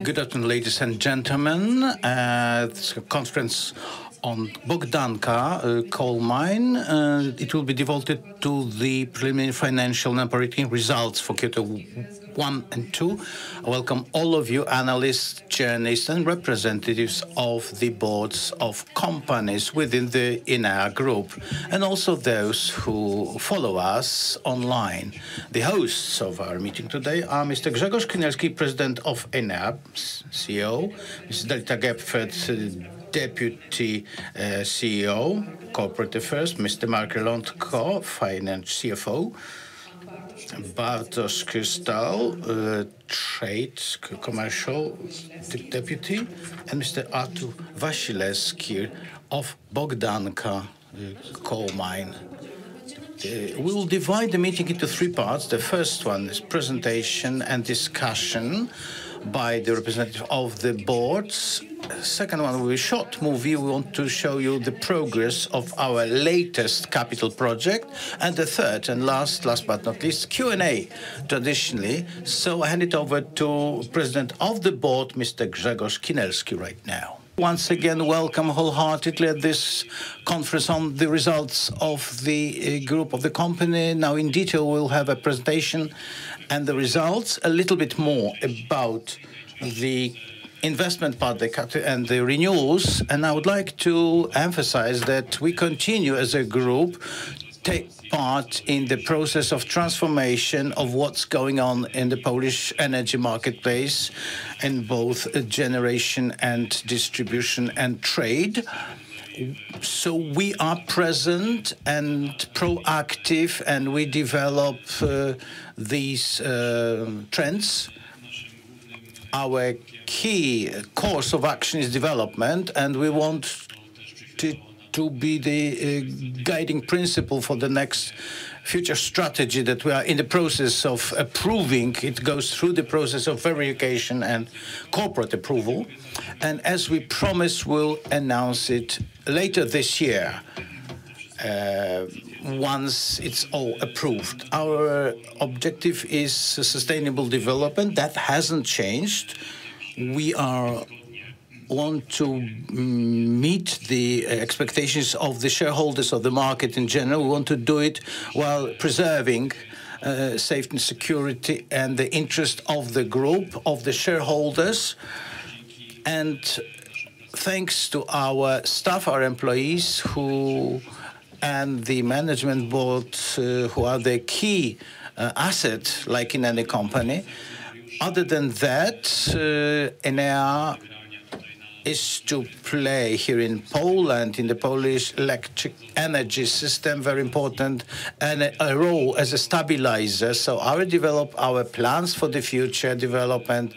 Good afternoon, ladies and gentlemen. This is a conference on Bogdanka Coal Mine. It will be devoted to the preliminary financial and operating results for Q1 and Q2. I welcome all of you analysts, journalists, and representatives of the boards of companies within the Enea Group, and also those who follow us online. The hosts of our meeting today are Mr. Grzegorz Kinelski, President of Enea CEO; Ms. Dalida Gepfert, Deputy CEO, Corporate Affairs; Mr. Marek Lelątko, Finance CFO; Bartosz Krysta, Trade Commercial Deputy; and Mr. Artur Wasilewski of Bogdanka Coal Mine. We will divide the meeting into three parts. The first one is presentation and discussion by the representatives of the boards. The second one will be a short movie. We want to show you the progress of our latest capital project. And the third and last, last but not least, Q&A traditionally. So, I hand it over to President of the Board, Mr. Grzegorz Kinelski, right now. Once again, welcome wholeheartedly at this conference on the results of the Group of the Company. Now, in detail, we'll have a presentation and the results, a little bit more about the investment part and the renewables. And I would like to emphasize that we continue as a Group to take part in the process of transformation of what's going on in the Polish energy marketplace in both generation, distribution, and trade. So, we are present and proactive, and we develop these trends. Our key course of action is development, and we want to be the guiding principle for the next future strategy that we are in the process of approving. It goes through the process of verification and corporate approval. And as we promised, we'll announce it later this year once it's all approved. Our objective is sustainable development. That hasn't changed. We want to meet the expectations of the shareholders of the market in general. We want to do it while preserving safety and security and the interest of the Group, of the shareholders, and thanks to our staff, our employees, and the management board who are the key assets, like in any company. Other than that, Enea is to play here in Poland, in the Polish electric energy system, a very important role as a stabilizer. I will develop our plans for the future development,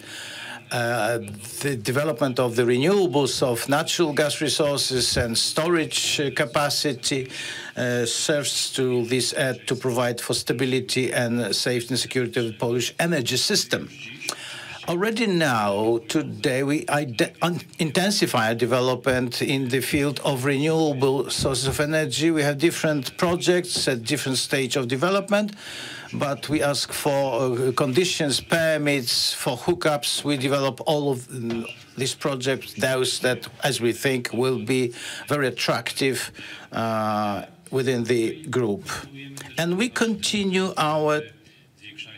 the development of the renewables, of natural gas resources and storage capacity, which serves to this to provide for stability and safety and security of the Polish energy system. Already now, today, we intensify our development in the field of renewable sources of energy. We have different projects at different stages of development, but we ask for conditions, permits, for hookups. We develop all of these projects, those that, as we think, will be very attractive within the Group, and we continue our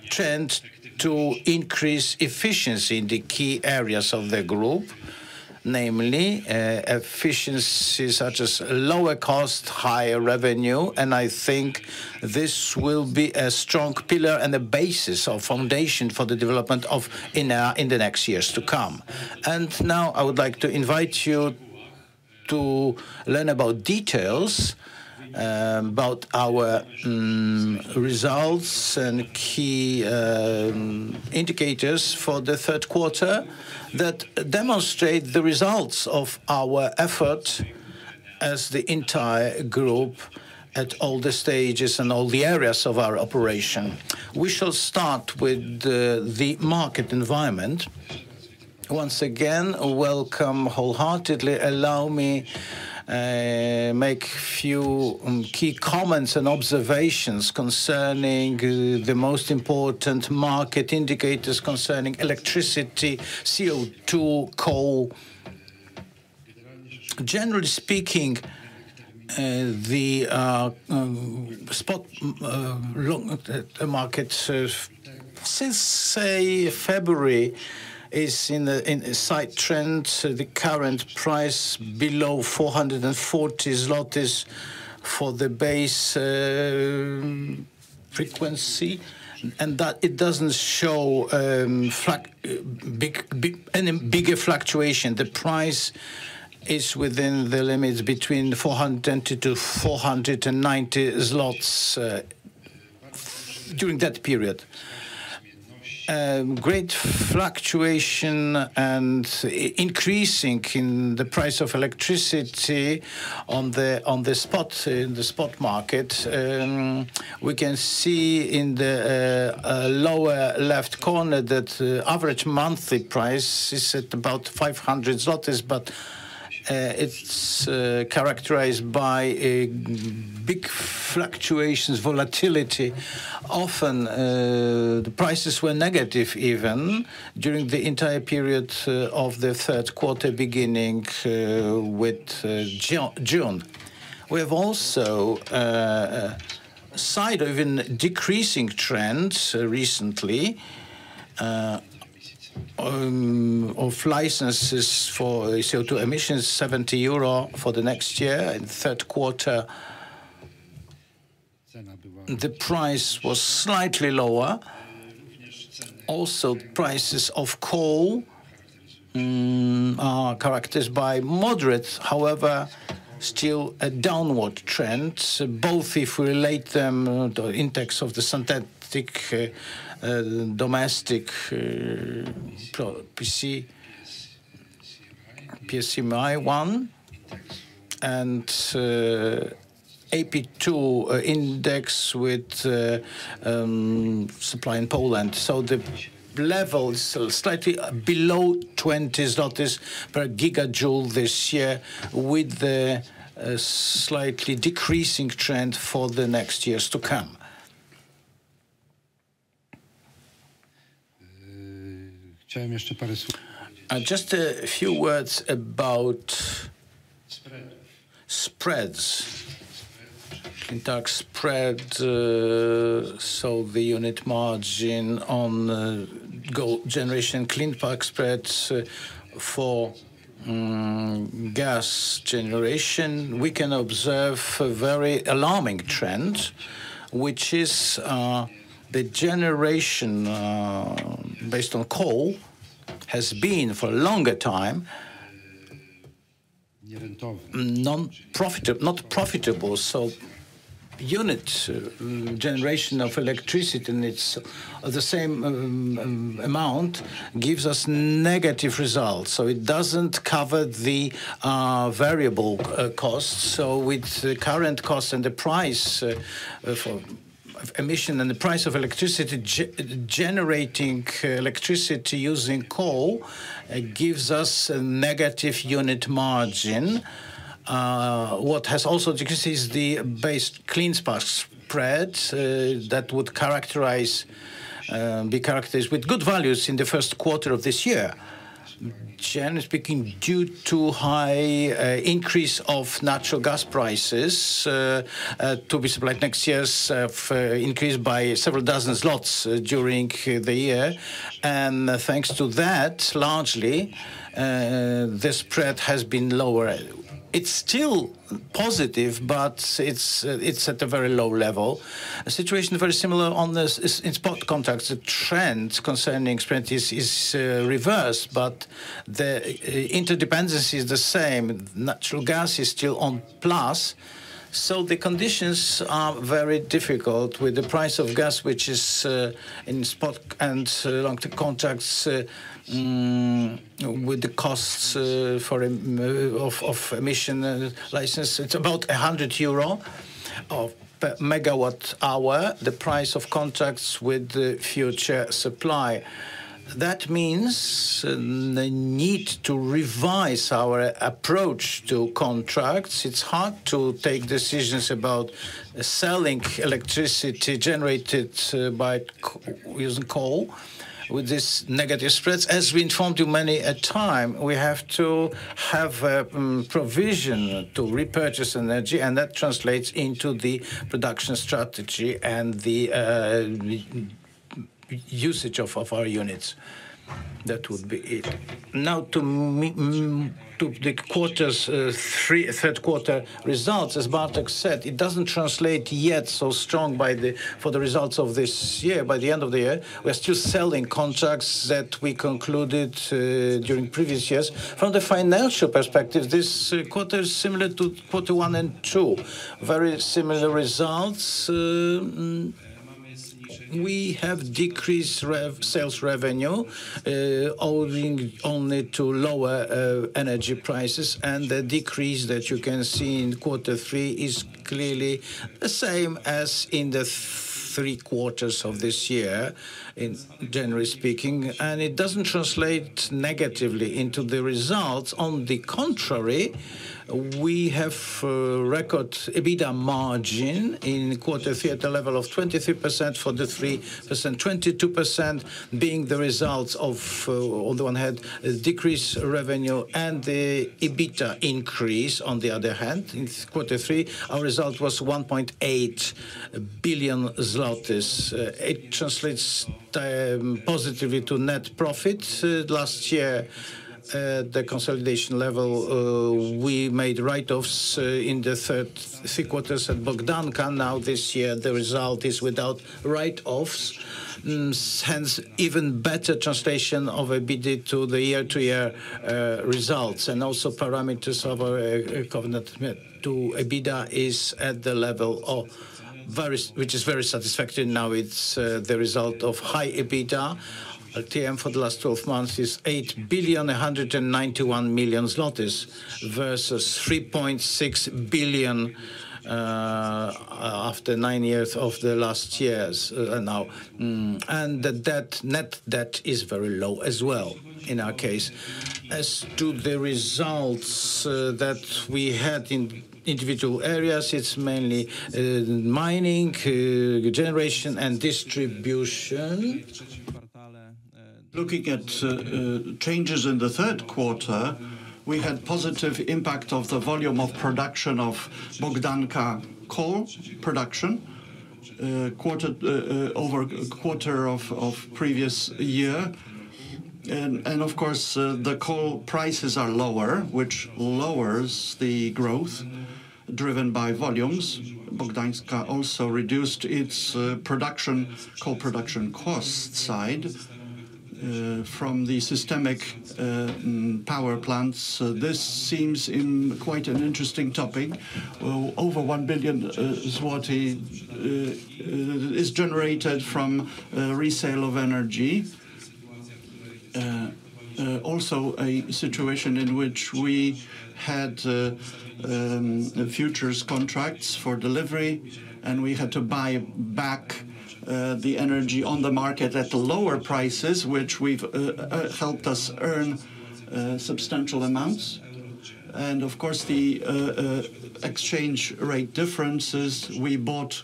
trend to increase efficiency in the key areas of the Group, namely efficiency such as lower cost, higher revenue, and I think this will be a strong pillar and a basis or foundation for the development of Enea in the next years to come, and now I would like to invite you to learn about details about our results and key indicators for the Q3 that demonstrate the results of our efforts as the entire Group at all the stages and all the areas of our operation. We shall start with the market environment. Once again, welcome wholeheartedly. Allow me to make a few key comments and observations concerning the most important market indicators concerning electricity, CO2, coal. Generally speaking, the spot market since, say, February is in a side trend. The current price below 440 zlotys for the base frequency, and that it doesn't show any bigger fluctuation. The price is within the limits between 420 to 490 zlotys during that period. Great fluctuation and increasing in the price of electricity on the spot market. We can see in the lower left corner that the average monthly price is at about 500 zlotys, but it's characterized by big fluctuations, volatility. Often the prices were negative even during the entire period of the Q3 beginning with June. We have also a sign of even decreasing trends recently of licenses for CO2 emissions, 70 euro for the next year. In the Q3, the price was slightly lower. Also, prices of coal are characterized by moderate, however, still a downward trend, both if we relate them to the index of the synthetic domestic, PSCMI 1 and API 2 index with supply in Poland. So, the level is slightly below PLN 20 per gigajoule this year, with a slightly decreasing trend for the next years to come. Just a few words about spreads. So, the unit margin on generation clean spark spreads for gas generation, we can observe a very alarming trend, which is the generation based on coal has been for a longer time non-profitable. So, unit generation of electricity in the same amount gives us negative results. So, it doesn't cover the variable costs. So, with the current cost and the price for emission and the price of electricity, generating electricity using coal gives us a negative unit margin. What has also decreased is the base clean spark spread that would be characterized with good values in the Q1 of this year, generally speaking, due to a high increase of natural gas prices to be supplied next year, increased by several dozen PLN during the year. And thanks to that, largely the spread has been lower. It's still positive, but it's at a very low level. A situation very similar on the spot contracts. The trend concerning spread is reversed, but the interdependency is the same. Natural gas is still on plus. So the conditions are very difficult with the price of gas, which is in spot and long-term contracts with the costs of emission license. It's about 100 euro per MW hour, the price of contracts with the future supply. That means the need to revise our approach to contracts. It's hard to take decisions about selling electricity generated by using coal with these negative spreads. As we informed you many a time, we have to have a provision to repurchase energy, and that translates into the production strategy and the usage of our units. That would be it. Now, to the Q3 results, as Bartosz said, it doesn't translate yet so strongly to the results of this year. By the end of the year, we are still selling contracts that we concluded during previous years. From the financial perspective, this quarter is similar to Q1 and Q2, very similar results. We have decreased sales revenue, owing only to lower energy prices, and the decrease that you can see in Q3 is clearly the same as in the three quarters of this year, generally speaking, and it doesn't translate negatively into the results. On the contrary, we have record EBITDA margin in Q3 at a level of 23% for the 3%, 22% being the result of the lower revenue and the EBITDA increase. On the other hand, in Q3, our result was 1.8 billion zlotys. It translates positively to net profit. Last year, the consolidation level we made write-offs in the Q3 at Bogdanka. Now, this year, the result is without write-offs. Hence, even better translation of EBITDA to the year-to-year results. And also, parameters of our covenant to EBITDA is at the level of, which is very satisfactory. Now, it's the result of high EBITDA. LTM for the last 12 months is 8, 191,000,000 versus 3.6 billion after nine years of the last years. And the net debt is very low as well in our case. As to the results that we had in individual areas, it's mainly mining, generation, and distribution. Looking at changes in the Q3, we had a positive impact of the volume of production of Bogdanka coal production over the quarter of the previous year. And of course, the coal prices are lower, which lowers the growth driven by volumes. Bogdanka also reduced its production, coal production cost side from the systemic power plants. This seems quite an interesting topic. Over 1 billion zloty is generated from resale of energy. Also, a situation in which we had futures contracts for delivery, and we had to buy back the energy on the market at lower prices, which helped us earn substantial amounts. And of course, the exchange rate differences. We bought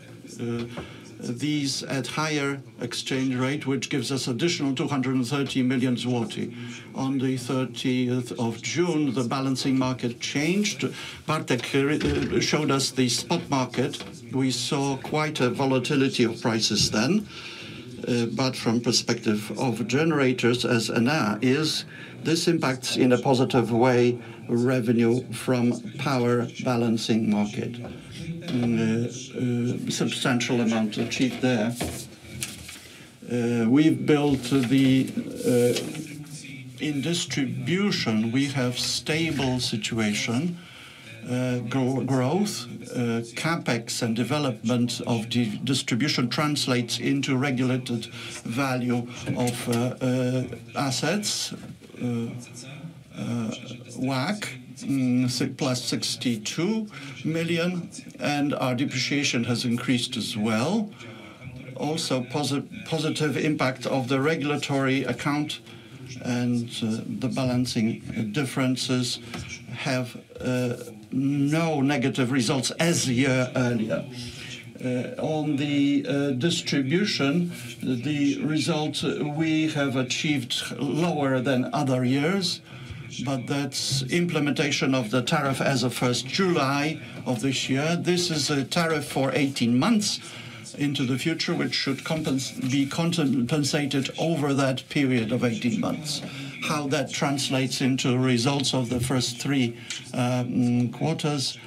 these at a higher exchange rate, which gives us an additional 230 million zloty. On the 30th of June, the balancing market changed. Bartosz showed us the spot market. We saw quite a volatility of prices then. But from the perspective of generators, as Enea is, this impacts in a positive way revenue from the power balancing market. Substantial amount achieved there. We've built the distribution. We have a stable situation. Growth, CapEx, and development of the distribution translates into regulated value of assets, WACC plus 62 million, and our depreciation has increased as well. Also, positive impact of the regulatory account and the balancing differences have no negative results as the year earlier. On the distribution, the result we have achieved is lower than other years, but that's implementation of the tariff as of 1st July of this year. This is a tariff for 18 months into the future, which should be compensated over that period of 18 months. How that translates into results of the first three quarters: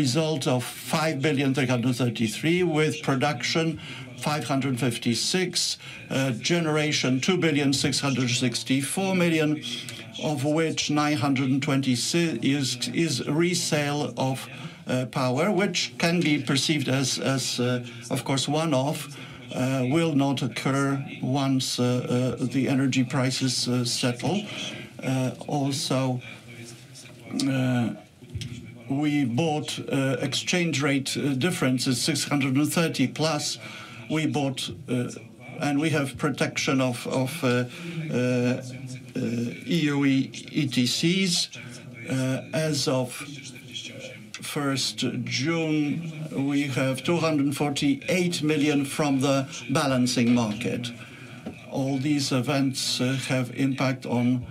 result of 5.333 billion with production 556 million, generation 2,664,000,000, of which 926 million is resale of power, which can be perceived as, of course, one-off, will not occur once the energy prices settle. Also, we bought exchange rate differences 630 million+. We bought, and we have protection of EU ETS. As of 1st of June, we have 248 million from the balancing market. All these events have impact on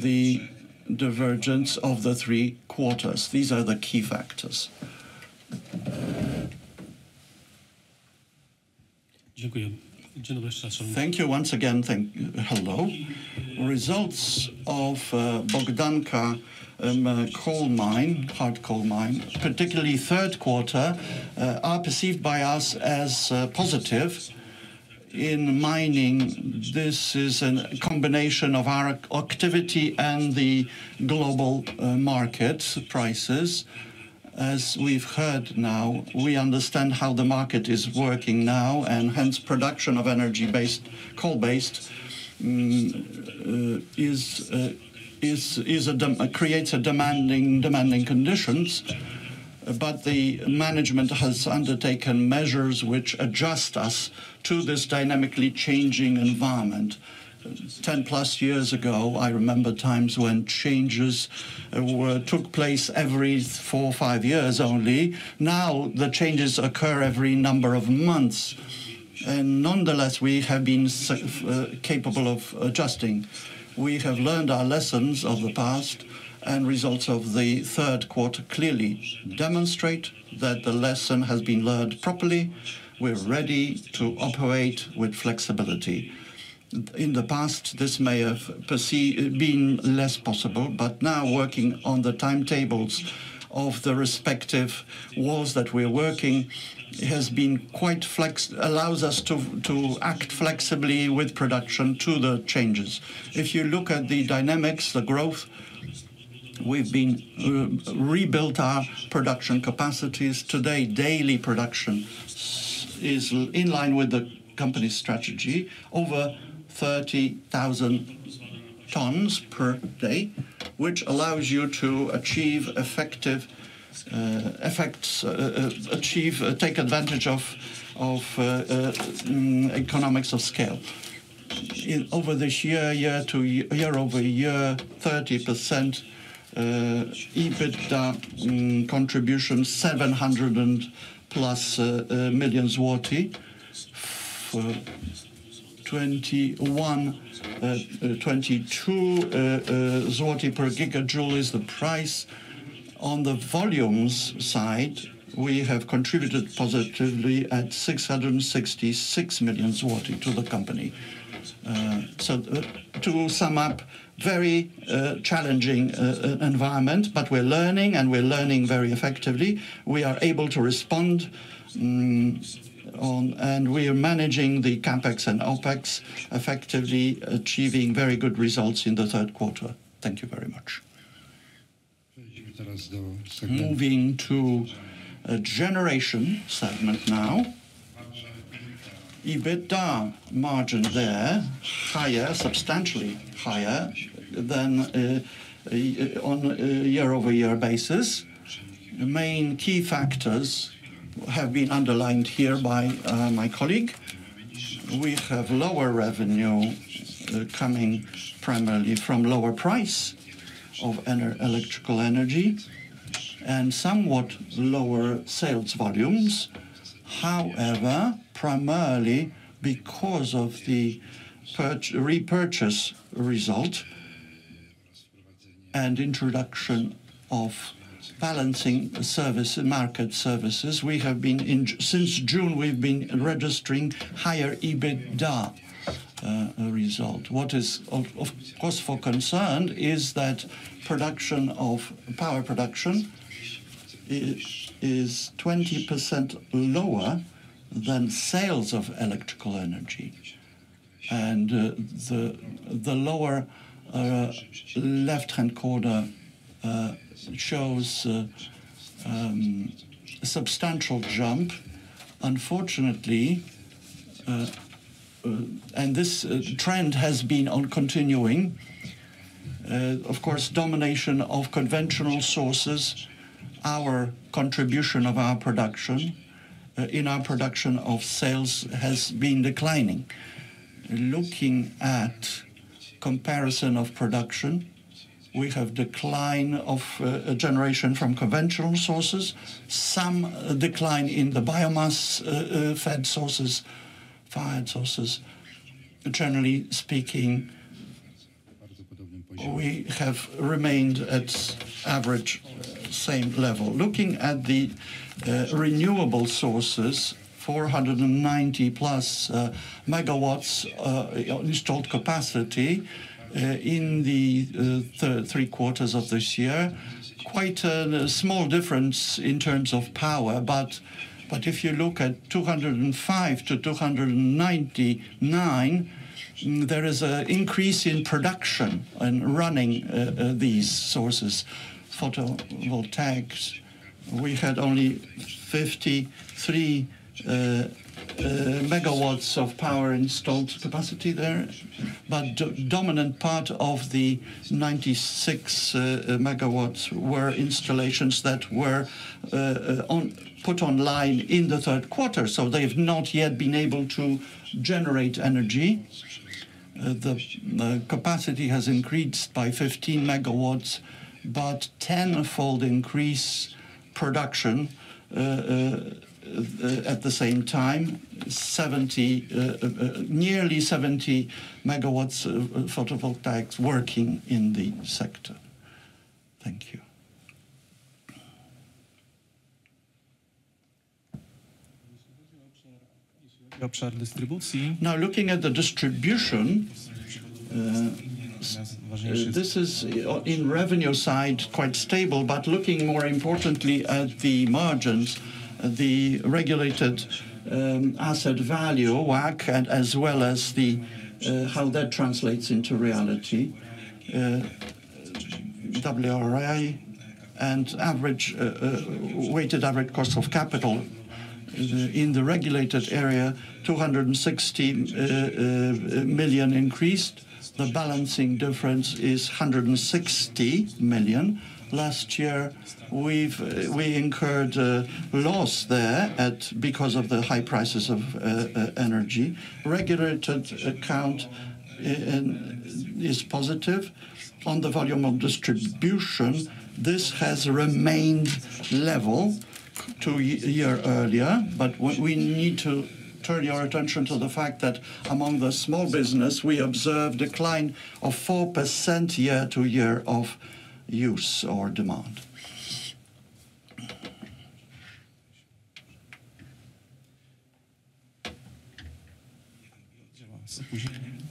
the divergence of the three quarters. These are the key factors. Thank you once again. Hello. Results of Bogdanka coal mine, hard coal mine, particularly Q3, are perceived by us as positive. In mining, this is a combination of our activity and the global market prices. As we've heard now, we understand how the market is working now, and hence production of energy-based, coal-based creates demanding conditions. But the management has undertaken measures which adjust us to this dynamically changing environment. 10+ years ago, I remember times when changes took place every four or five years only. Now, the changes occur every number of months. And nonetheless, we have been capable of adjusting. We have learned our lessons of the past, and results of the Q3 clearly demonstrate that the lesson has been learned properly. We're ready to operate with flexibility. In the past, this may have been less possible, but now working on the timetables of the respective walls that we're working has been quite flexible, allows us to act flexibly with production to the changes. If you look at the dynamics, the growth, we've been rebuilt our production capacities. Today, daily production is in line with the company's strategy, over 30,000 tons per day, which allows you to achieve, take advantage of economies of scale. Over this year, year-over-year, 30% EBITDA contribution, PLN 700+ million. PLN 22 per gigajoule is the price. On the volumes side, we have contributed positively at 666 million zloty to the company. So to sum up, very challenging environment, but we're learning, and we're learning very effectively. We are able to respond, and we are managing the CapEx and OpEx effectively, achieving very good results in the Q3. Thank you very much. Moving to generation segment now. EBITDA margin there, higher, substantially higher than on a year-over-year basis. Main key factors have been underlined here by my colleague. We have lower revenue coming primarily from lower price of electrical energy and somewhat lower sales volumes. However, primarily because of the repurchase result and introduction of balancing service and market services, we have been since June, we've been registering higher EBITDA result. What is, of course, for concern is that production of power production is 20% lower than sales of electrical energy. And the lower left-hand corner shows a substantial jump. Unfortunately, and this trend has been on continuing. Of course, dominance of conventional sources, our contribution of our production in our production of sales has been declining. Looking at comparison of production, we have decline of generation from conventional sources, some decline in the biomass-fired sources. Generally speaking, we have remained at average same level. Looking at the renewable sources, 490+ MW installed capacity in the three quarters of this year, quite a small difference in terms of power. But if you look at 205 to 299, there is an increase in production and running these sources. Photovoltaics, we had only 53 MW of power installed capacity there. But the dominant part of the 96 MW were installations that were put online in the Q3. So, they have not yet been able to generate energy. The capacity has increased by 15 MW, but tenfold increase production at the same time, nearly 70 MW photovoltaics working in the sector. Thank you. Now, looking at the distribution, this is in revenue side quite stable. But looking more importantly at the margins, the regulated asset value, WACC, as well as how that translates into reality, WRA, and average weighted average cost of capital in the regulated area, 260 million increased. The balancing difference is 160 million. Last year, we incurred loss there because of the high prices of energy. Regulated account is positive. On the volume of distribution, this has remained level to a year earlier. But we need to turn your attention to the fact that among the small business, we observe a decline of 4% year-to-year of use or demand.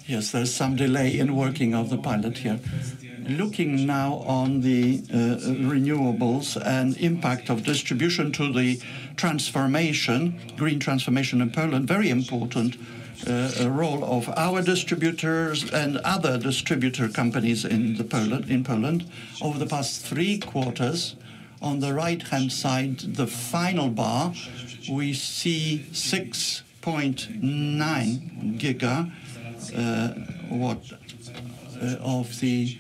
Yes, there's some delay in working of the pilot here. Looking now on the renewables and impact of distribution to the transformation, green transformation in Poland. Very important role of our distributors and other distributor companies in Poland over the past three quarters. On the right-hand side, the final bar, we see 6.9 GW of the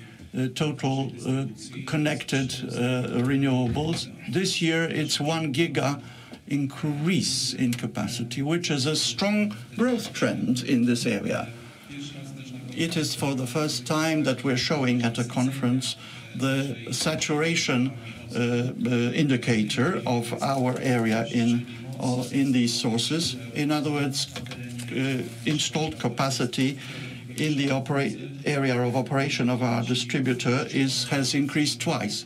total connected renewables. This year, it's one GW increase in capacity, which is a strong growth trend in this area. It is for the first time that we're showing at a conference the saturation indicator of our area in these sources. In other words, installed capacity in the area of operation of our distributor has increased twice.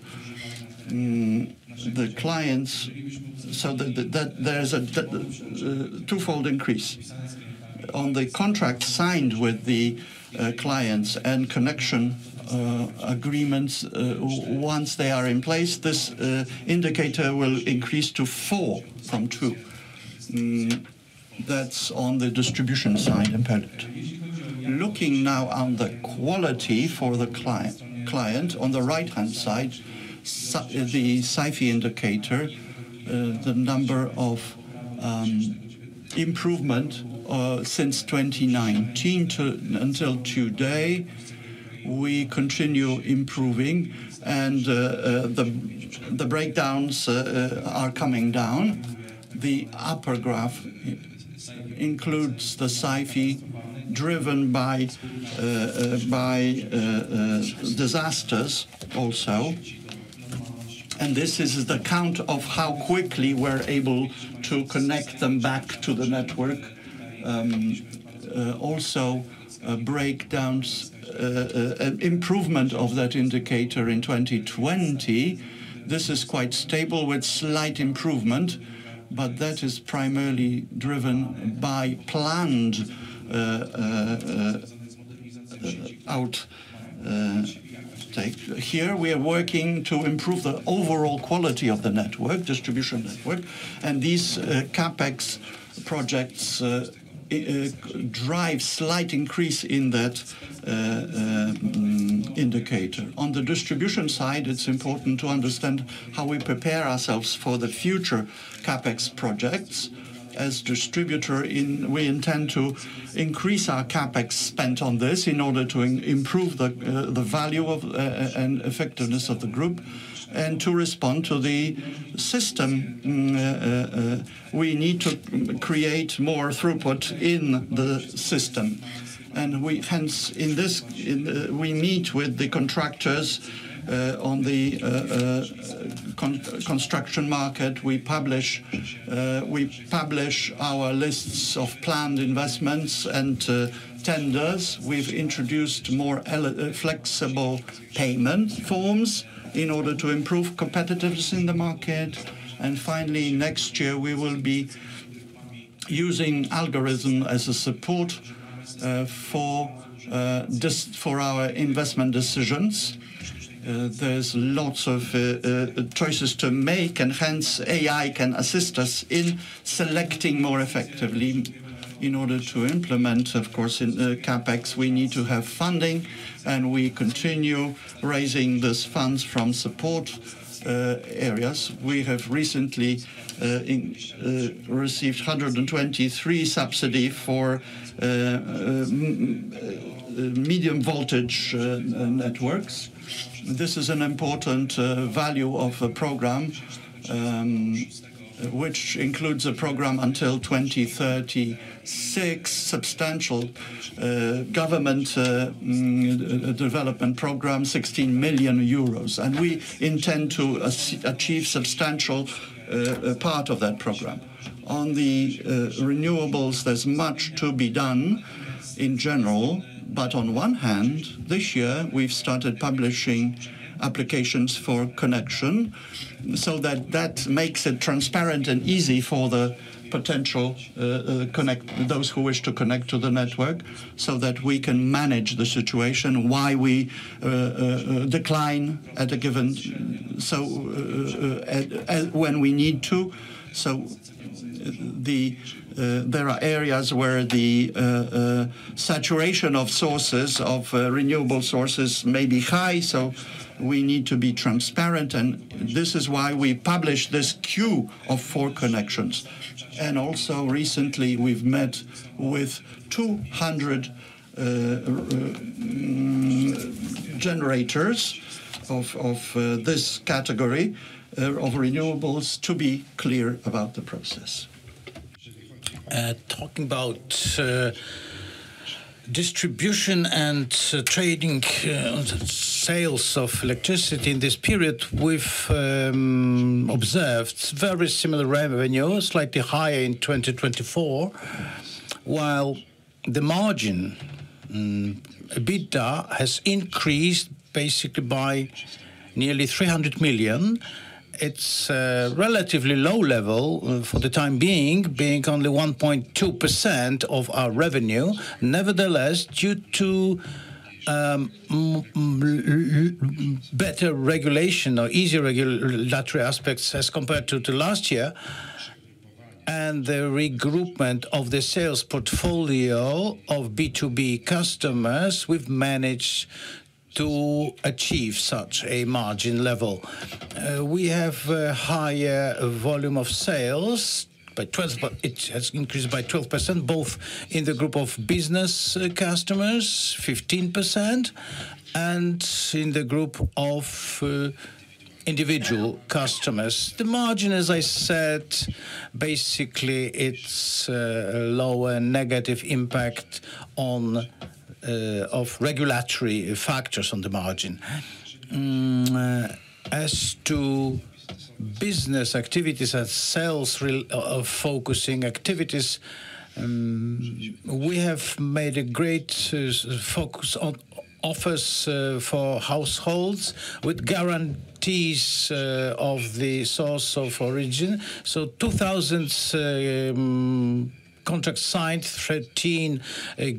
The clients, so there's a twofold increase. On the contract signed with the clients and connection agreements, once they are in place, this indicator will increase to four from two. That's on the distribution side in Poland. Looking now on the quality for the client, on the right-hand side, the SAIFI indicator, the number of improvement since 2019 until today, we continue improving, and the breakdowns are coming down. The upper graph includes the SAIFI driven by disasters also, and this is the count of how quickly we're able to connect them back to the network. Also, breakdowns, improvement of that indicator in 2020, this is quite stable with slight improvement, but that is primarily driven by planned outage. Here, we are working to improve the overall quality of the network, distribution network, and these CapEx projects drive slight increase in that indicator. On the distribution side, it's important to understand how we prepare ourselves for the future CapEx projects. As distributor, we intend to increase our CapEx spent on this in order to improve the value and effectiveness of the group. And to respond to the system, we need to create more throughput in the system. And hence, in this, we meet with the contractors on the construction market. We publish our lists of planned investments and tenders. We've introduced more flexible payment forms in order to improve competitiveness in the market. And finally, next year, we will be using algorithms as a support for our investment decisions. There's lots of choices to make, and hence, AI can assist us in selecting more effectively. In order to implement, of course, in CapEx, we need to have funding, and we continue raising these funds from support areas. We have recently received 123 subsidies for medium voltage networks. This is an important value of a program, which includes a program until 2036, substantial government development program, 16 million euros. And we intend to achieve a substantial part of that program. On the renewables, there's much to be done in general, but on one hand, this year, we've started publishing applications for connection so that that makes it transparent and easy for the potential connect, those who wish to connect to the network, so that we can manage the situation, why we decline at a given when we need to, so there are areas where the saturation of sources of renewable sources may be high, so we need to be transparent, and this is why we publish this queue of four connections, and also, recently, we've met with 200 generators of this category of renewables to be clear about the process. Talking about distribution and trading sales of electricity in this period, we've observed very similar revenues, slightly higher in 2024, while the margin EBITDA has increased basically by nearly 300 million. It's relatively low level for the time being, being only 1.2% of our revenue. Nevertheless, due to better regulation or easier regulatory aspects as compared to last year and the regroupment of the sales portfolio of B2B customers, we've managed to achieve such a margin level. We have a higher volume of sales by 12, but it has increased by 12%, both in the group of business customers, 15%, and in the group of individual customers. The margin, as I said, basically it's a lower negative impact of regulatory factors on the margin. As to business activities and sales focusing activities, we have made a great focus on offers for households with guarantees of the source of origin. So 2,000 contracts signed, 13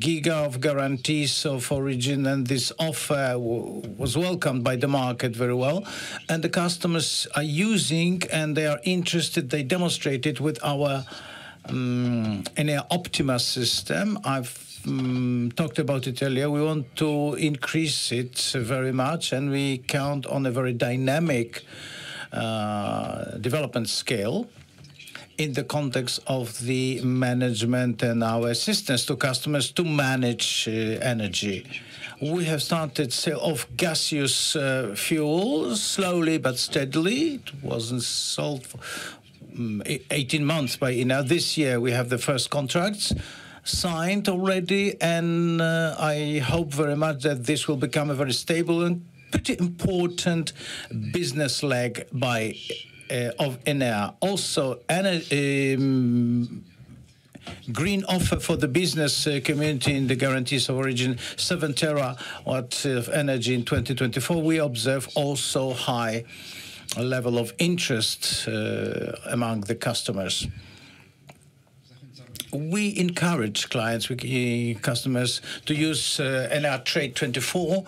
GW of guarantees of origin, and this offer was welcomed by the market very well. And the customers are using, and they are interested. They demonstrated with our Enea Optima system. I've talked about it earlier. We want to increase it very much, and we count on a very dynamic development scale in the context of the management and our assistance to customers to manage energy. We have started sale of gaseous fuel slowly but steadily. It wasn't sold 18 months by Enea. This year, we have the first contracts signed already, and I hope very much that this will become a very stable and pretty important business leg of Enea. Also, green offer for the business community in the guarantees of origin, Seven Terra Energy in 2024. We observe also a high level of interest among the customers. We encourage clients, customers to use Enea Trade 24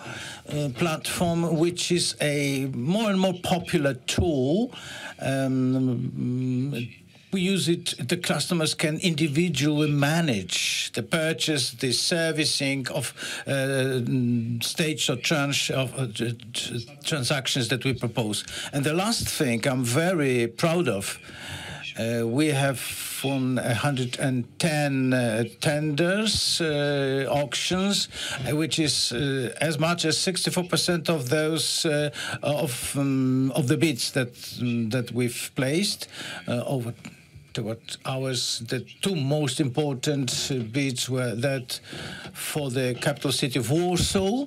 platform, which is a more and more popular tool. We use it. The customers can individually manage the purchase, the servicing of stage or transactions that we propose, and the last thing I'm very proud of, we have won 110 tenders, auctions, which is as much as 64% of those of the bids that we've placed over to ours. The two most important bids were that for the capital city of Warsaw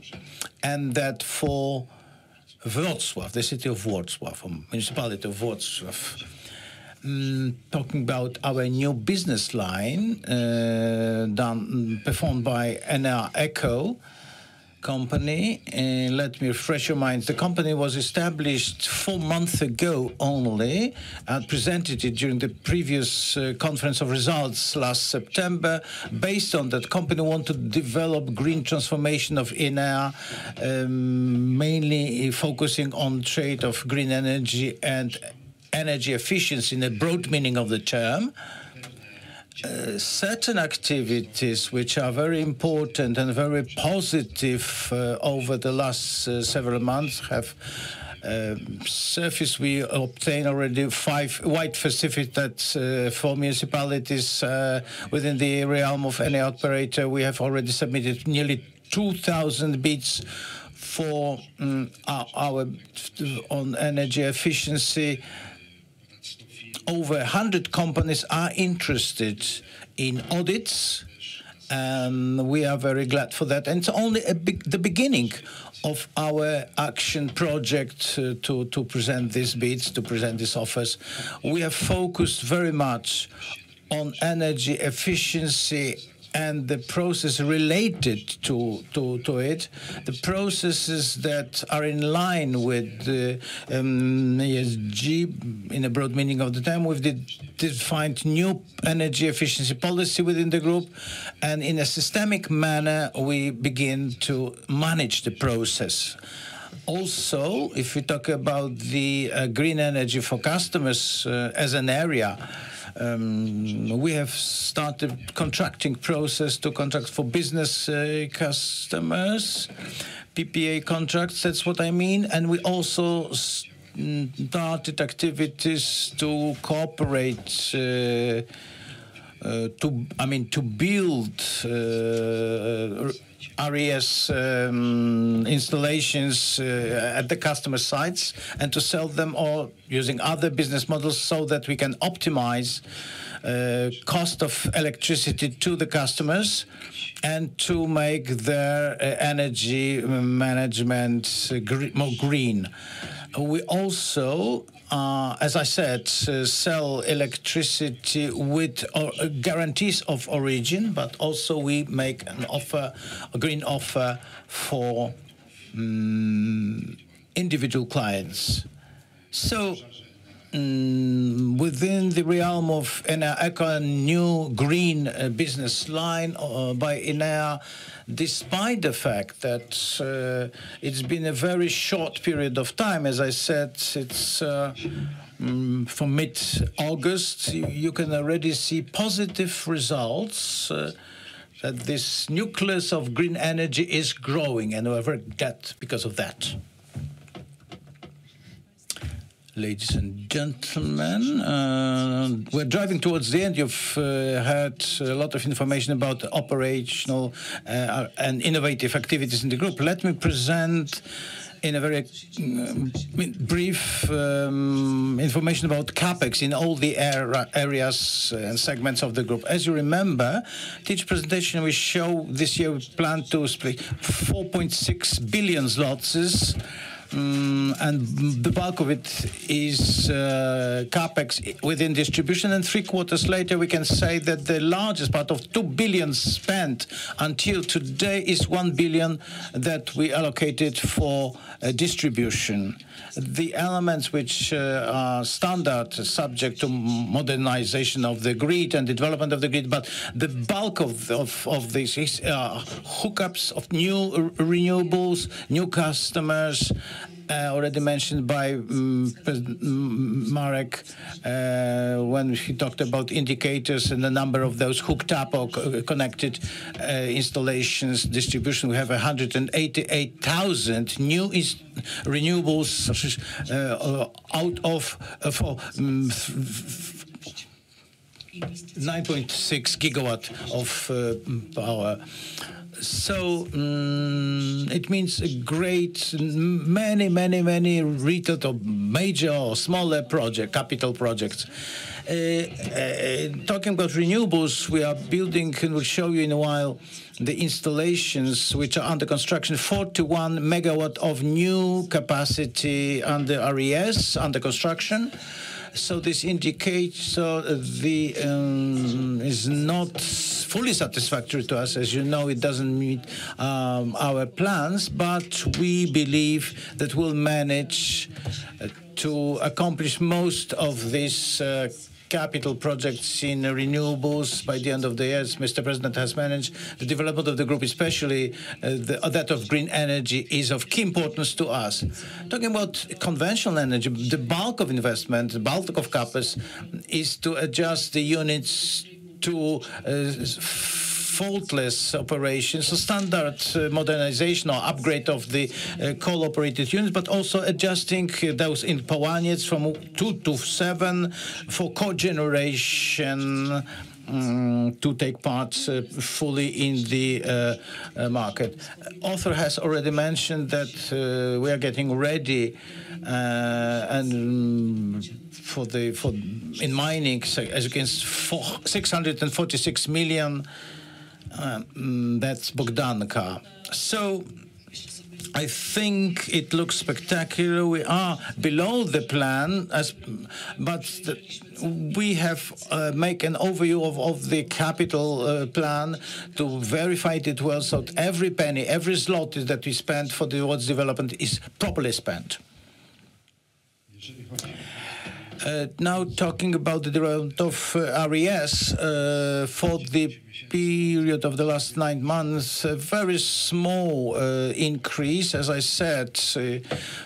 and that for Wrocław, the city of Wrocław, municipality of Wrocław. Talking about our new business line performed by Enea Eco Company. Let me refresh your mind. The company was established four months ago only. I presented it during the previous conference of results last September. Based on that, the company wanted to develop green transformation of Enea, mainly focusing on trade of green energy and energy efficiency in a broad meaning of the term. Certain activities, which are very important and very positive over the last several months, have surfaced. We obtained already five wind facilities for municipalities within the realm of Enea Operator. We have already submitted nearly 2,000 bids for our energy efficiency. Over 100 companies are interested in audits, and we are very glad for that. It's only the beginning of our action project to present these bids, to present these offers. We have focused very much on energy efficiency and the process related to it, the processes that are in line with ESG in a broad meaning of the term. We've defined new energy efficiency policy within the group, and in a systemic manner, we begin to manage the process. Also, if we talk about the green energy for customers as an area, we have started contracting process to contract for business customers, PPA contracts, that's what I mean. We also started activities to cooperate, I mean, to build RES installations at the customer sites and to sell them or using other business models so that we can optimize cost of electricity to the customers and to make their energy management more green. We also, as I said, sell electricity with guarantees of origin, but also we make an offer, a green offer for individual clients. So within the realm of Enea Eco, a new green business line by Enea, despite the fact that it's been a very short period of time, as I said, it's from mid-August, you can already see positive results that this nucleus of green energy is growing and we're very glad because of that. Ladies and gentlemen, we're driving towards the end. You've had a lot of information about operational and innovative activities in the group. Let me present in a very brief information about CAPEX in all the areas and segments of the group. As you remember, each presentation we show this year, we plan to split 4.6 billion zlotys, and the bulk of it is CapEx within distribution, and three quarters later, we can say that the largest part of 2 billion spent until today is 1 billion that we allocated for distribution. The elements which are standard subject to modernization of the grid and development of the grid, but the bulk of these hookups of new renewables, new customers already mentioned by Marek when he talked about indicators and the number of those hooked up or connected installations, distribution. We have 188,000 new renewables out of 9.6 GW of power. So it means a great, many, many, many retail or major or smaller project, capital projects. Talking about renewables, we are building and we'll show you in a while the installations which are under construction, 41 MW of new capacity under RES under construction. So, this indicates this is not fully satisfactory to us. As you know, it doesn't meet our plans, but we believe that we'll manage to accomplish most of these capital projects in renewables by the end of the year. As Mr. President has managed, the development of the group, especially that of green energy, is of key importance to us. Talking about conventional energy, the bulk of investment, the bulk of CapEx is to adjust the units to faultless operations, so standard modernization or upgrade of the co-operated units, but also adjusting those in power units from two to seven for cogeneration to take part fully in the market. Our has already mentioned that we are getting ready for the mining, as you can see, 646 million. That's Bogdanka. So I think it looks spectacular. We are below the plan, but we have made an overview of the capital plan to verify it well so every penny, every PLN that we spend for the development is properly spent. Now, talking about the development of RES for the period of the last nine months, a very small increase, as I said,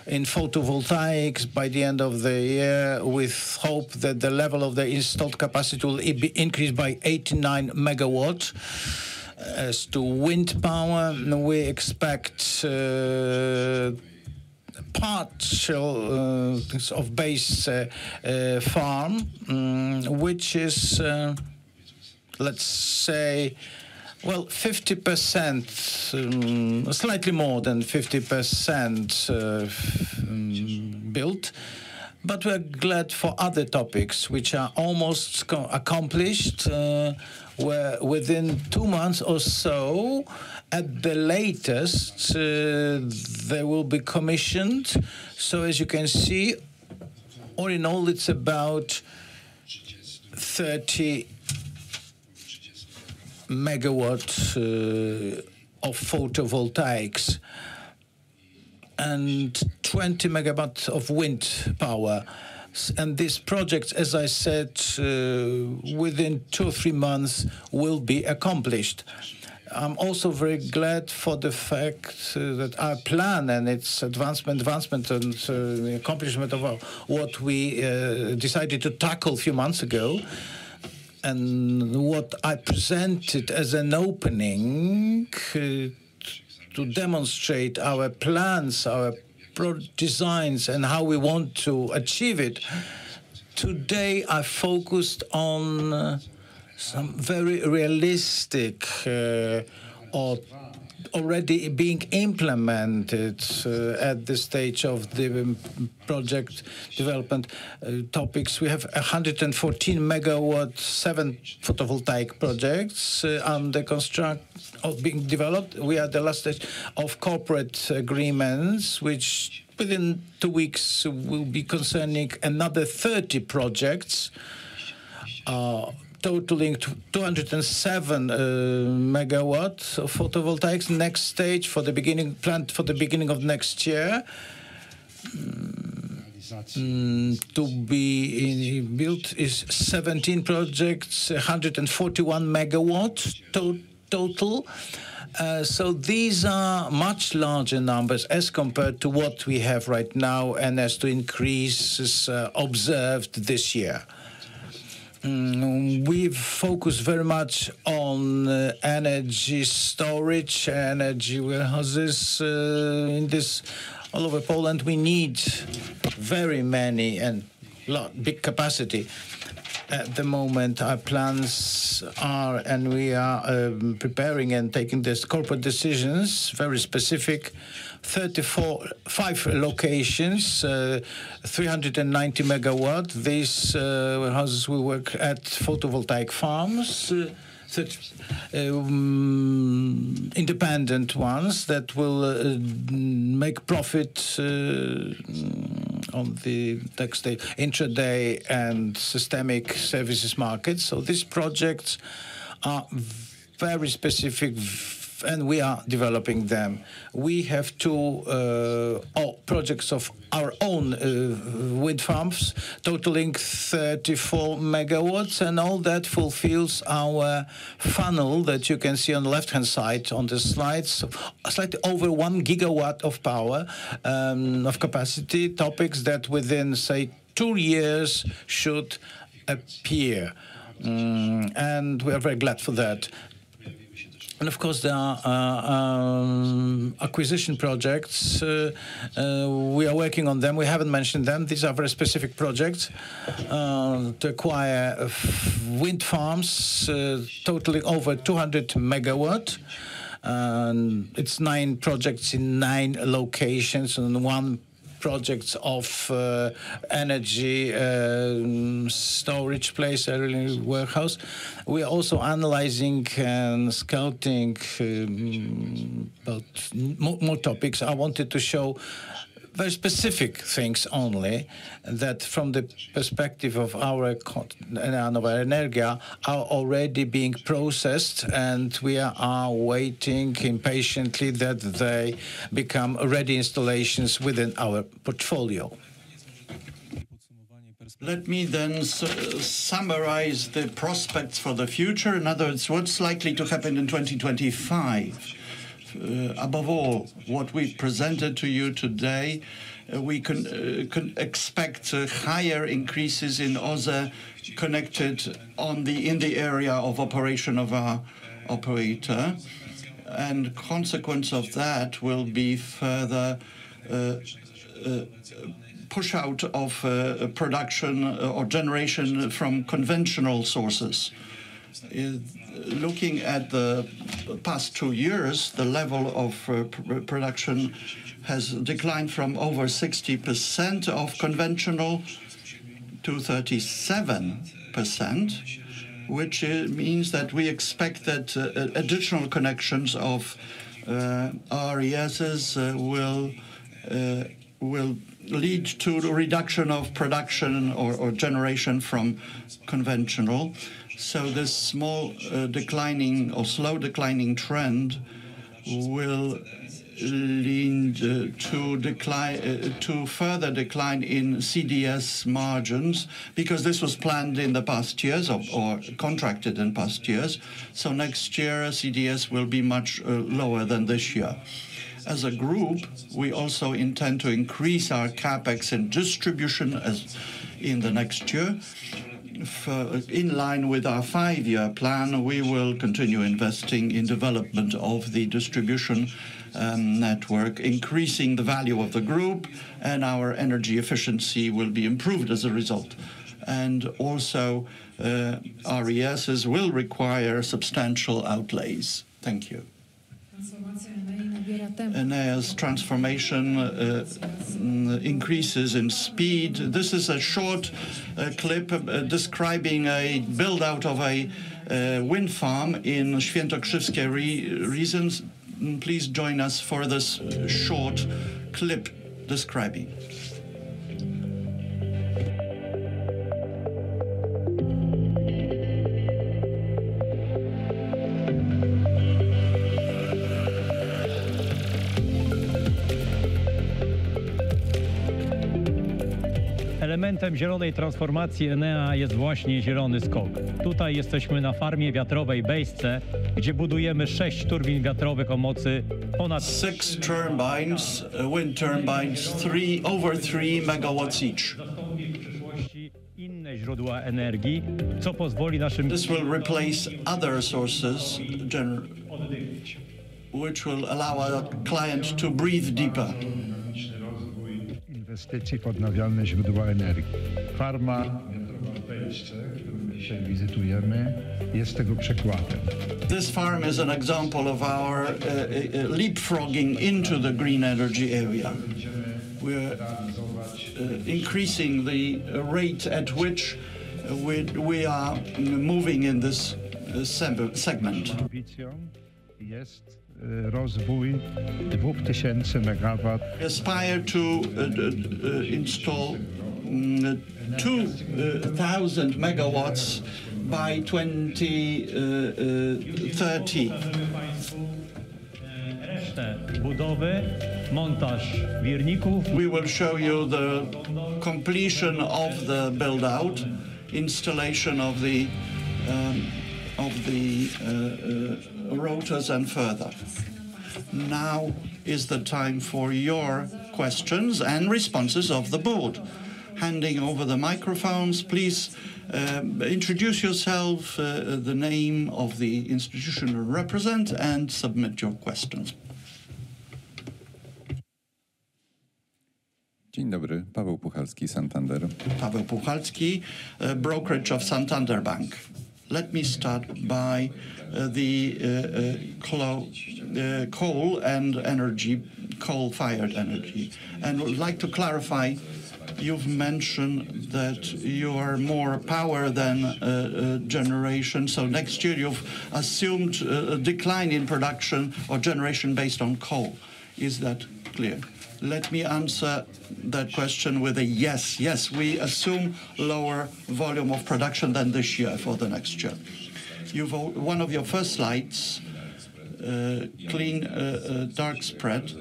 in photovoltaics by the end of the year with hope that the level of the installed capacity will increase by 89 MW. As to wind power, we expect part of Bejsce farm, which is, let's say, well, 50%, slightly more than 50% built. But we're glad for other topics which are almost accomplished within two months or so. At the latest, they will be commissioned. As you can see, all in all, it's about 30 MW of photovoltaics and 20 MW of wind power. This project, as I said, within two or three months will be accomplished. I'm also very glad for the fact that our plan and its advancement and accomplishment of what we decided to tackle a few months ago and what I presented as an opening to demonstrate our plans, our designs, and how we want to achieve it. Today, I focused on some very realistic or already being implemented at the stage of the project development topics. We have 114 MW, seven photovoltaic projects under construction or being developed. We are at the last stage of corporate agreements, which within two weeks will be concerning another 30 projects, totaling 207 MW of photovoltaics. Next stage planned for the beginning of next year to be built is 17 projects, 141 MW total. These are much larger numbers as compared to what we have right now and as to increases observed this year. We've focused very much on energy storage, energy warehouses in this all over Poland. We need very many and a lot of big capacity. At the moment, our plans are and we are preparing and taking these corporate decisions, very specific, three to five locations, 390 MW. These warehouses will work at photovoltaic farms, independent ones that will make profit on the next day intraday and systemic services markets. These projects are very specific, and we are developing them. We have two projects of our own wind farms, totaling 34 MW, and all that fulfills our funnel that you can see on the left-hand side on the slides, slightly over 1 GW of power of capacity topics that within, say, two years should appear, and we are very glad for that, and of course, there are acquisition projects. We are working on them. We haven't mentioned them. These are very specific projects to acquire wind farms, totaling over 200 MW. It's nine projects in nine locations and one project of energy storage place, warehouse. We're also analyzing and scouting about more topics. I wanted to show very specific things only that from the perspective of our Enea are already being processed, and we are waiting impatiently that they become ready installations within our portfolio. Let me then summarize the prospects for the future. In other words, what's likely to happen in 2025? Above all, what we presented to you today. We can expect higher increases in other connections in the area of operation of our operator. A consequence of that will be further push out of production or generation from conventional sources. Looking at the past two years, the level of production has declined from over 60% of conventional to 37%, which means that we expect that additional connections of RES will lead to the reduction of production or generation from conventional. This small declining or slow declining trend will lead to further decline in CDS margins because this was planned in the past years or contracted in past years, so next year, CDS will be much lower than this year. As a group, we also intend to increase our CapEx and distribution in the next year. In line with our five-year plan, we will continue investing in development of the distribution network, increasing the value of the group, and our energy efficiency will be improved as a result and also, RES will require substantial outlays. Thank you. Enea's transformation increases in speed. This is a short clip describing a buildout of a wind farm in Świętokrzyskie region. Please join us for this short clip describing. Elementem zielonej transformacji ENEA jest właśnie zielony skok. Tutaj jesteśmy na farmie wiatrowej Bejsce, gdzie budujemy sześć turbin wiatrowych o mocy ponad Six turbines, wind turbines over three MW each. Inne źródła energii, co pozwoli naszym. This will replace other sources, which will allow our clients to breathe deeper. Inwestycji w odnawialne źródła energii. Farma, którą dzisiaj wizytujemy, jest tego przykładem. This farm is an example of our leapfrogging into the green energy area. We're increasing the rate at which we are moving in this segment. Ambicją jest rozwój 2,000 MW. We aspire to install 2,000 MW by 2030. Resztę budowy, montaż wirników. We will show you the completion of the buildout, installation of the rotors and further. Now is the time for your questions and responses of the board. Handing over the microphones, please introduce yourself, the name of the institution you represent, and submit your questions. Dzień dobry, Paweł Puchalski, Santander. Paweł Puchalski, brokerage of Santander Bank. Let me start by the coal and energy, coal-fired energy, and I'd like to clarify, you've mentioned that you are more power than generation. So next year, you've assumed a decline in production or generation based on coal. Is that clear? Let me answer that question with a yes. Yes, we assume lower volume of production than this year for the next year. have one of your first slides, Clean Dark Spread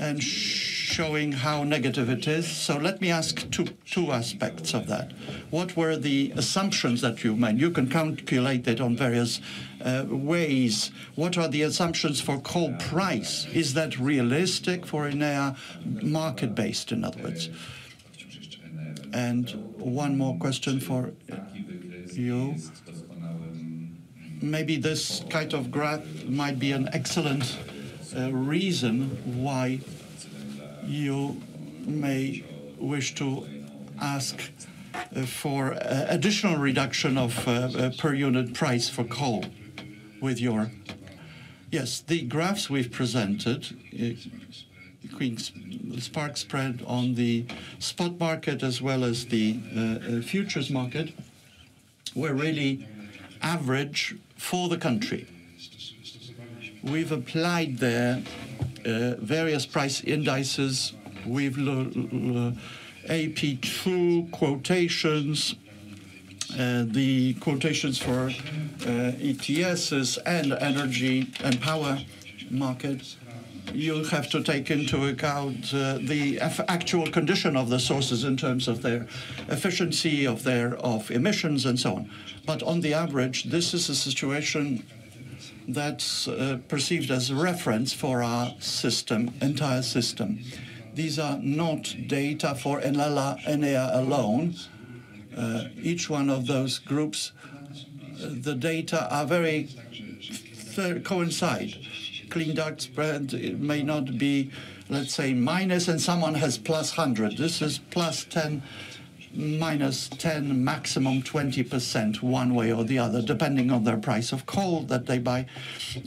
and showing how negative it is. So let me ask two aspects of that. What were the assumptions that you made? You can calculate it on various ways. What are the assumptions for coal price? Is that realistic for Enea, market-based, in other words? And one more question for you. Maybe this kind of graph might be an excellent reason why you may wish to ask for additional reduction of per unit price for coal with your. Yes, the graphs we've presented, spark spread on the spot market as well as the futures market, were really average for the country. We've applied there various price indices. We've API 2 quotations, the quotations for EU ETS and energy and power markets. You'll have to take into account the actual condition of the sources in terms of their efficiency, of their emissions, and so on. On the average, this is a situation that's perceived as a reference for our system, entire system. These are not data for Enea alone. Each one of those groups, the data are very coincide. Clean dark spread may not be, let's say, minus and someone has plus 100. This is plus 10, minus 10, maximum 20% one way or the other, depending on their price of coal that they buy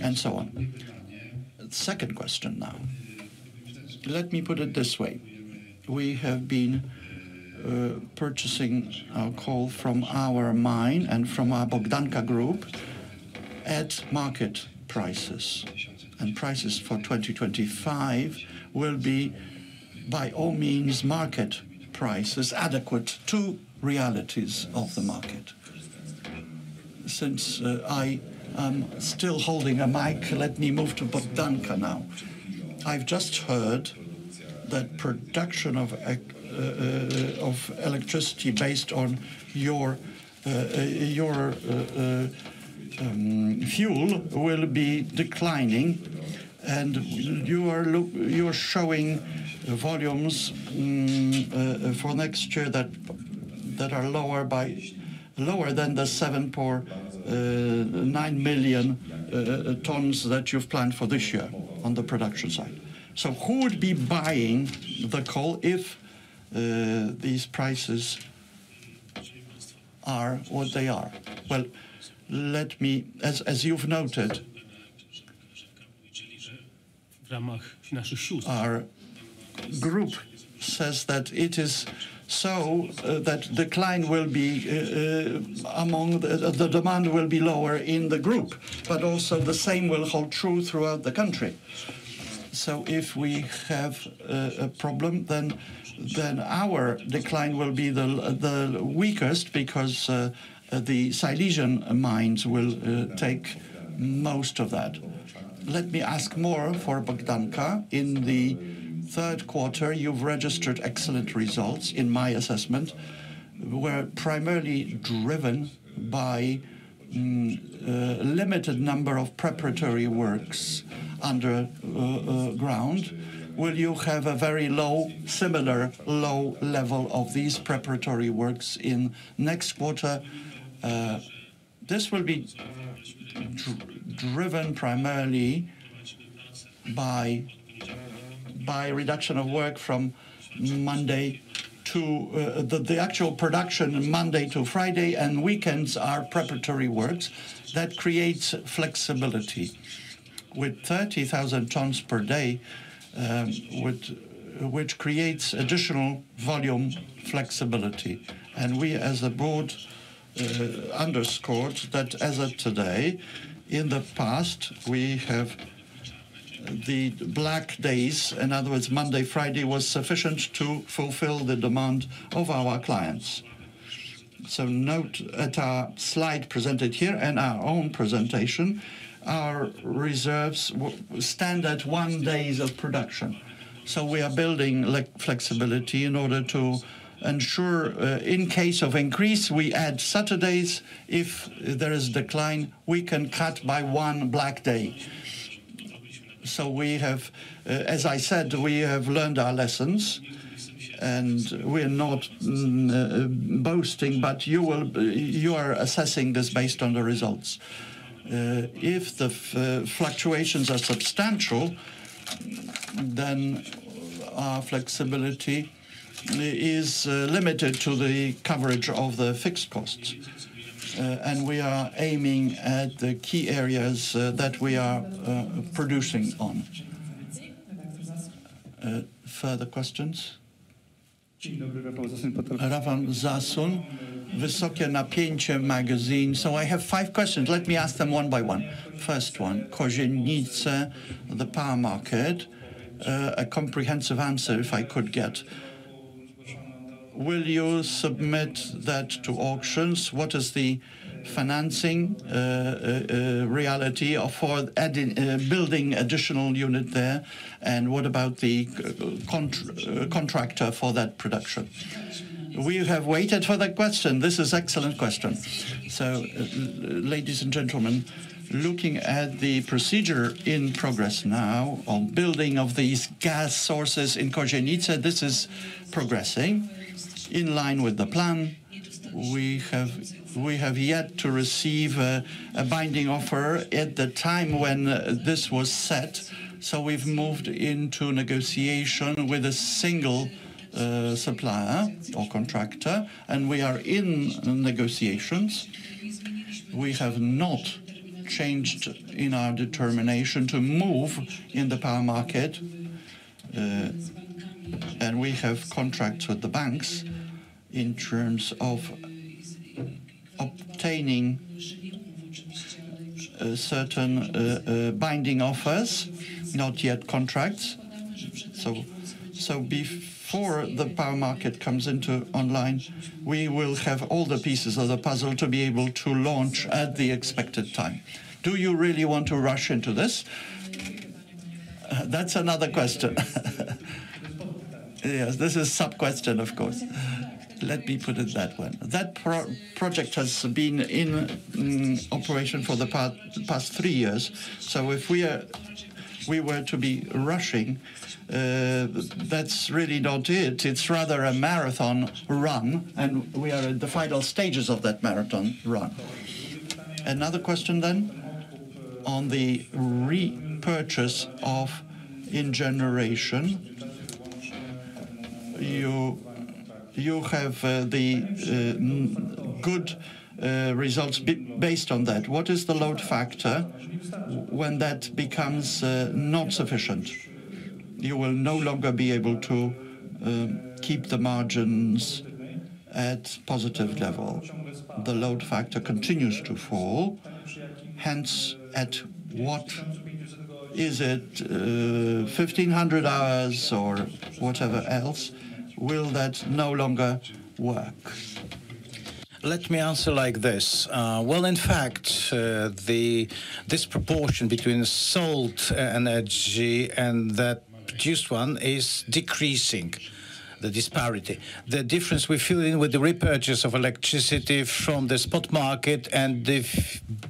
and so on. Second question now. Let me put it this way. We have been purchasing our coal from our mine and from our Bogdanka Group at market prices. And prices for 2025 will be, by all means, market prices adequate to realities of the market. Since I am still holding a mic, let me move to Bogdanka now. I've just heard that production of electricity based on your fuel will be declining, and you are showing volumes for next year that are lower than the 7.9 million tons that you've planned for this year on the production side. So who would be buying the coal if these prices are what they are? Well, as you've noted, our group says that it is so that decline will be among the demand will be lower in the group, but also the same will hold true throughout the country. So if we have a problem, then our decline will be the weakest because the Silesian mines will take most of that. Let me ask more for Bogdanka. In the Q3, you've registered excellent results in my assessment. We're primarily driven by a limited number of preparatory works underground. Will you have a very low, similar low level of these preparatory works in next quarter? This will be driven primarily by reduction of work from Monday to the actual production Monday to Friday, and weekends are preparatory works. That creates flexibility with 30,000 tons per day, which creates additional volume flexibility, and we, as a board, underscored that as of today, in the past, we have the black days. In other words, Monday, Friday was sufficient to fulfill the demand of our clients. So, note at our slide presented here and our own presentation, our reserves stand at one day of production. So, we are building flexibility in order to ensure in case of increase, we add Saturdays. If there is a decline, we can cut by one black day. So we have, as I said, we have learned our lessons, and we are not boasting, but you are assessing this based on the results. If the fluctuations are substantial, then our flexibility is limited to the coverage of the fixed costs. And we are aiming at the key areas that we are producing on. Further questions? Rafał Zasuń, Wysokie Napięcie Magazine. So I have five questions. Let me ask them one by one. First one, Kozienice, the power market, a comprehensive answer if I could get. Will you submit that to auctions? What is the financing reality for building additional unit there? And what about the contractor for that production? We have waited for that question. This is an excellent question. So, ladies and gentlemen, looking at the procedure in progress now on building of these gas sources in Kozienice, this is progressing in line with the plan. We have yet to receive a binding offer at the time when this was set, so we've moved into negotiation with a single supplier or contractor, and we are in negotiations. We have not changed in our determination to move in the power market, and we have contracts with the banks in terms of obtaining certain binding offers, not yet contracts, so before the power market comes online, we will have all the pieces of the puzzle to be able to launch at the expected time. Do you really want to rush into this? That's another question. Yes, this is a sub-question, of course. Let me put it that way. That project has been in operation for the past three years, so if we were to be rushing, that's really not it. It's rather a marathon run, and we are at the final stages of that marathon run. Another question then on the repurchase of in-generation. You have the good results based on that. What is the load factor when that becomes not sufficient? You will no longer be able to keep the margins at positive level. The load factor continues to fall. Hence, at what? Is it 1500 hours or whatever else? Will that no longer work? Let me answer like this. In fact, the disproportion between sold energy and that produced one is decreasing, the disparity. The difference we fill in with the repurchase of electricity from the spot market and the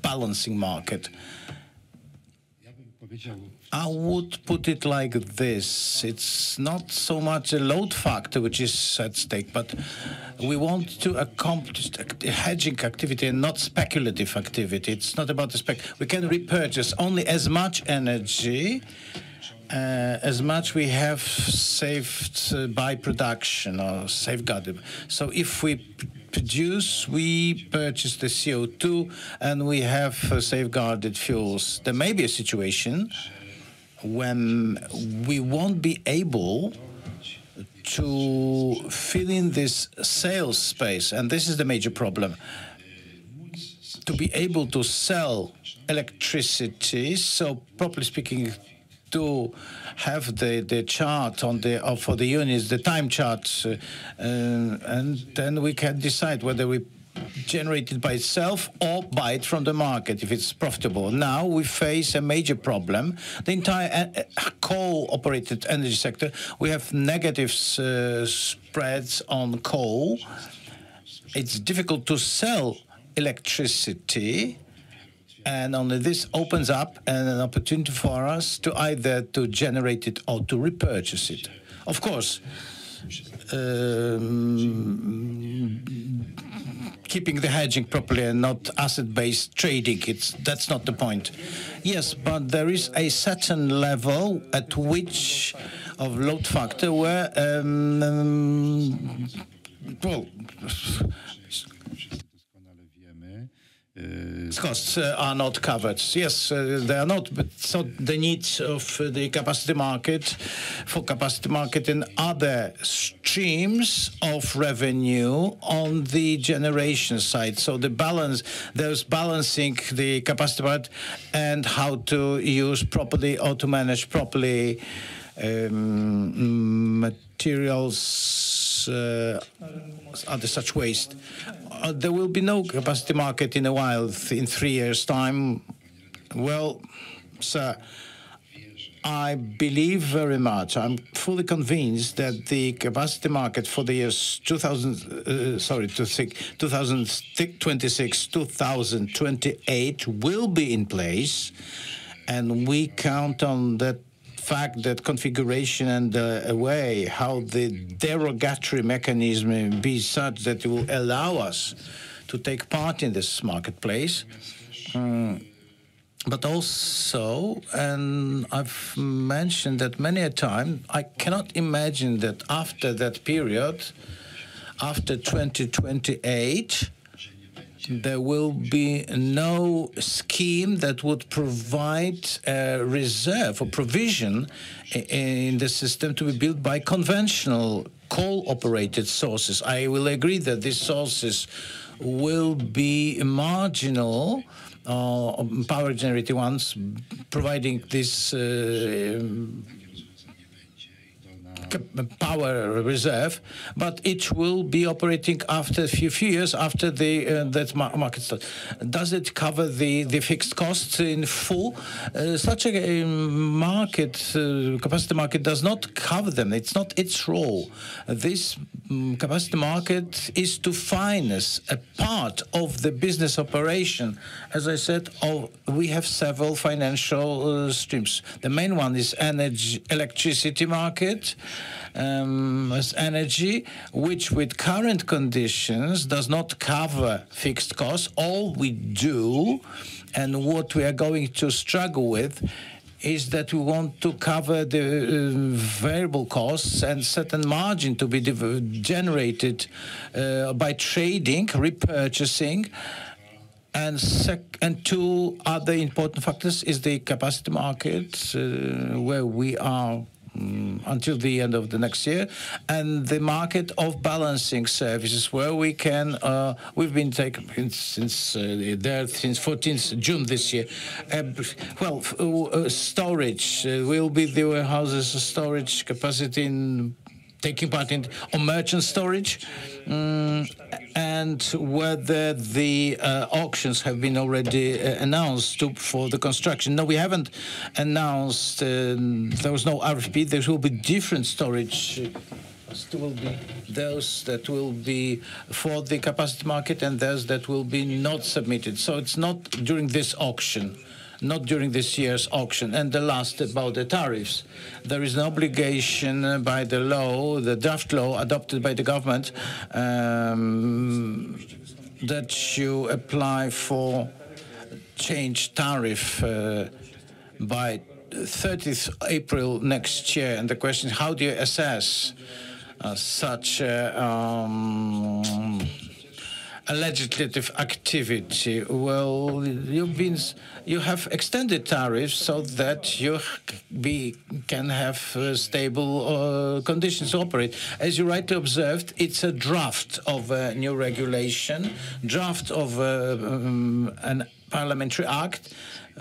balancing market. I would put it like this. It's not so much a load factor, which is at stake, but we want to accomplish hedging activity and not speculative activity. It's not about the spec. We can repurchase only as much energy, as much we have saved by production or safeguarded. So if we produce, we purchase the CO2, and we have safeguarded fuels. There may be a situation when we won't be able to fill in this sales space. And this is the major problem. To be able to sell electricity, so properly speaking, to have the chart for the units, the time charts, and then we can decide whether we generate it by itself or buy it from the market if it's profitable. Now we face a major problem. The entire coal-operated energy sector, we have negative spreads on coal. It's difficult to sell electricity, and only this opens up an opportunity for us to either generate it or to repurchase it. Of course, keeping the hedging properly and not asset-based trading, that's not the point. Yes, but there is a certain level at which the load factor where costs are not covered. Yes, they are not, but the needs of the capacity market for the capacity market in other streams of revenue on the generation side. So the balance, there's balancing the capacity market and how to use properly or to manage properly materials, other such waste. There will be no capacity market in a while in three years' time. Well, I believe very much, I'm fully convinced that the capacity market for the year 2026-2028 will be in place, and we count on that fact that the configuration and the way how the derogation mechanism will be such that it will allow us to take part in this marketplace. But also, and I've mentioned that many a time, I cannot imagine that after that period, after 2028, there will be no scheme that would provide a reserve or provision in the system to be built by conventional coal-operated sources. I will agree that these sources will be marginal power generated ones providing this power reserve, but it will be operating after a few years after that market starts. Does it cover the fixed costs in full? Such a market, capacity market, does not cover them. It's not its role. This capacity market is to finance a part of the business operation. As I said, we have several financial streams. The main one is electricity market, which with current conditions does not cover fixed costs. All we do and what we are going to struggle with is that we want to cover the variable costs and certain margin to be generated by trading, repurchasing and two other important factors are the capacity markets where we are until the end of the next year and the market of balancing services where we can. We've been taking since 14th June this year. Storage will be the warehouses' storage capacity in taking part in merchant storage and whether the auctions have been already announced for the construction. No, we haven't announced. There was no RFP. There will be different storage. There will be those that will be for the capacity market and those that will be not submitted. So it's not during this auction, not during this year's auction. And the last about the tariffs. There is an obligation by the law, the draft law adopted by the government that you apply for change tariff by 30th April next year. And the question is, how do you assess such a legislative activity? You have extended tariffs so that you can have stable conditions to operate. As you rightly observed, it's a draft of a new regulation, draft of a parliamentary act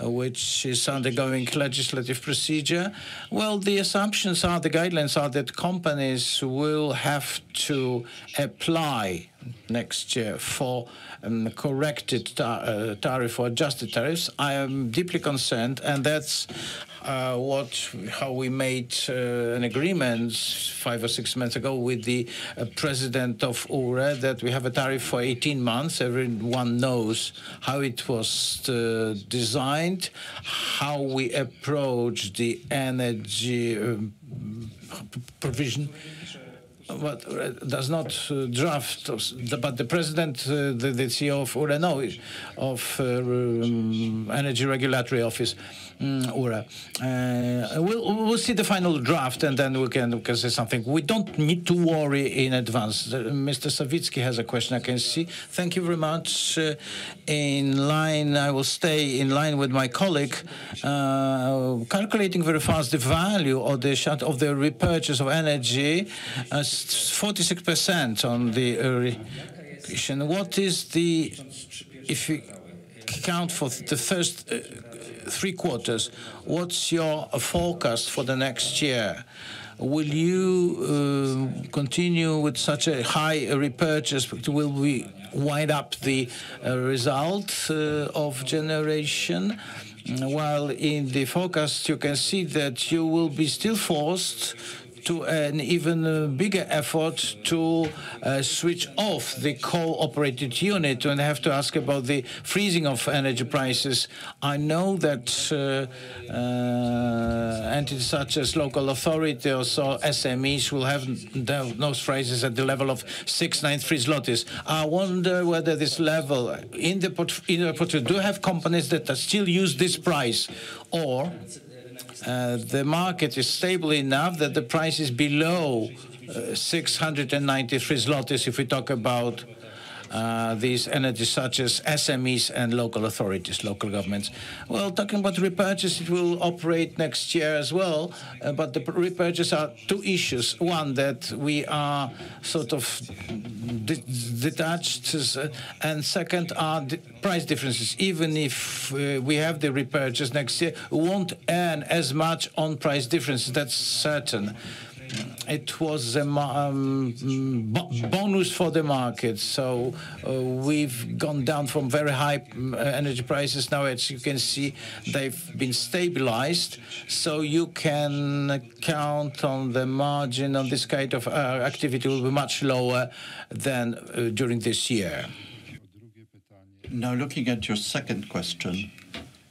which is undergoing legislative procedure. The assumptions are, the guidelines are that companies will have to apply next year for corrected tariff or adjusted tariffs. I am deeply concerned, and that's how we made an agreement five or six months ago with the president of URE that we have a tariff for 18 months. Everyone knows how it was designed, how we approach the energy provision. But does not draft, but the president, the CEO of URE knows of Energy Regulatory Office, URE. We'll see the final draft, and then we can say something. We don't need to worry in advance. Mr. Sawicki has a question. I can see. Thank you very much. In line, I will stay in line with my colleague. Calculating very fast the value of the repurchase of energy, 46% on the early position. What is the, if you count for the first three quarters, what's your forecast for the next year? Will you continue with such a high repurchase? Will we wind up the result of generation? While in the forecast, you can see that you will be still forced to an even bigger effort to switch off the cogeneration unit. And I have to ask about the freezing of energy prices. I know that entities such as local authorities or SMEs will have those prices at the level of 690 zlotys. I wonder whether this level in the portfolio, do you have companies that still use this price or the market is stable enough that the price is below 690 zlotys if we talk about these entities such as SMEs and local authorities, local governments? Well, talking about repurchase, it will operate next year as well. But the repurchase are two issues. One, that we are sort of detached. And second are the price differences. Even if we have the repurchase next year, we won't earn as much on price differences. That's certain. It was a bonus for the market. So we've gone down from very high energy prices. Now, as you can see, they've been stabilized. So you can count on the margin on this kind of activity will be much lower than during this year. Now, looking at your second question,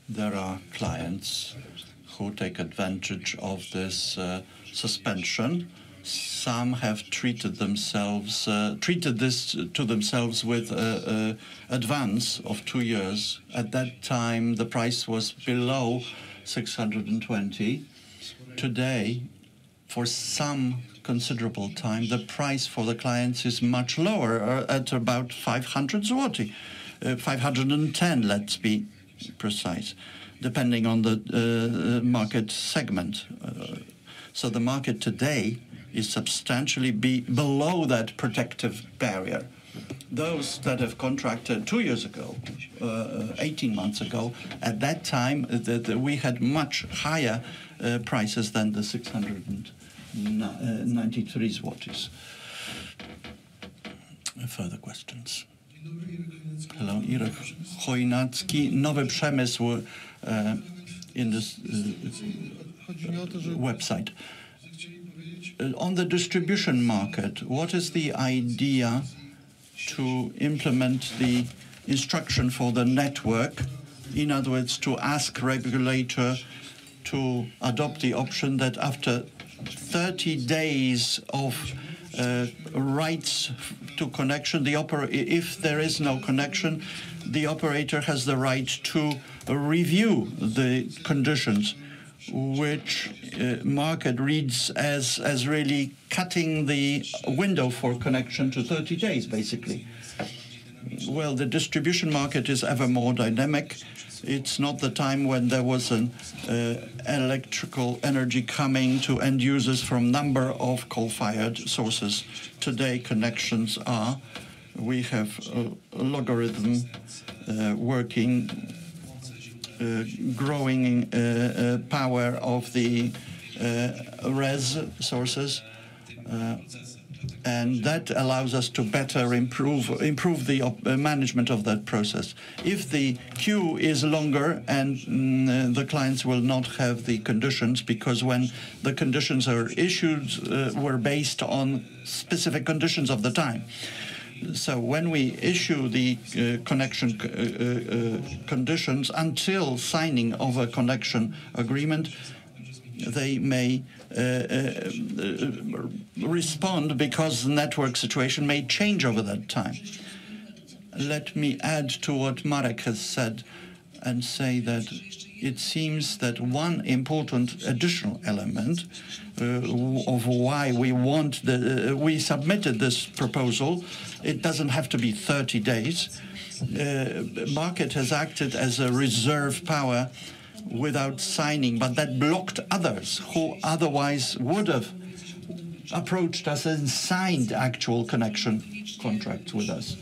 there are clients who take advantage of this suspension. Some have treated this to themselves with advance of two years. At that time, the price was below 620. Today, for some considerable time, the price for the clients is much lower at about 510, let's be precise, depending on the market segment. So the market today is substantially below that protective barrier. Those that have contracted two years ago, 18 months ago, at that time, we had much higher prices than the 693. Further questions. Hello, Irek Chojnacki. Nowy Przemysł website. On the distribution market, what is the idea to implement the instruction for the network? In other words, to ask regulator to adopt the option that after 30 days of rights to connection, if there is no connection, the operator has the right to review the conditions, which market reads as really cutting the window for connection to 30 days, basically. The distribution market is ever more dynamic. It's not the time when there was an electrical energy coming to end users from a number of coal-fired sources. Today, connections are. We have a lot more working, growing power of the RES sources, and that allows us to better improve the management of that process. If the queue is longer and the clients will not have the conditions, because when the conditions are issued, they were based on specific conditions of the time, so when we issue the connection conditions until signing of a connection agreement, they may respond because the network situation may change over that time. Let me add to what Marek has said and say that it seems that one important additional element of why we submitted this proposal, it doesn't have to be 30 days. The market has acted as a reserve power without signing, but that blocked others who otherwise would have approached us and signed actual connection contracts with us,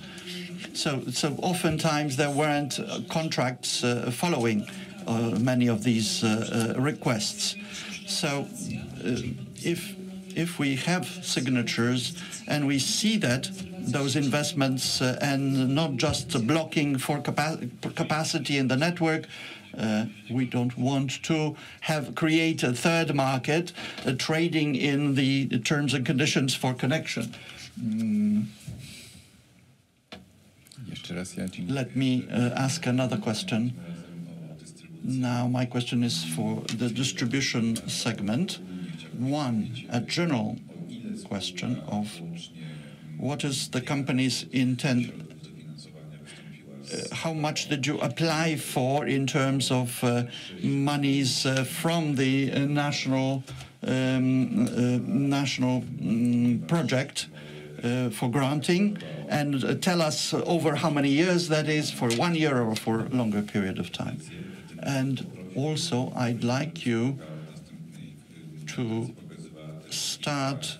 so oftentimes, there weren't contracts following many of these requests. So if we have signatures and we see that those investments and not just blocking for capacity in the network, we don't want to have created a third market, trading in the terms and conditions for connection. Let me ask another question. Now, my question is for the distribution segment. One, a general question of what is the company's intent? How much did you apply for in terms of monies from the national project for granting? And tell us over how many years that is, for one year or for a longer period of time. And also, I'd like you to start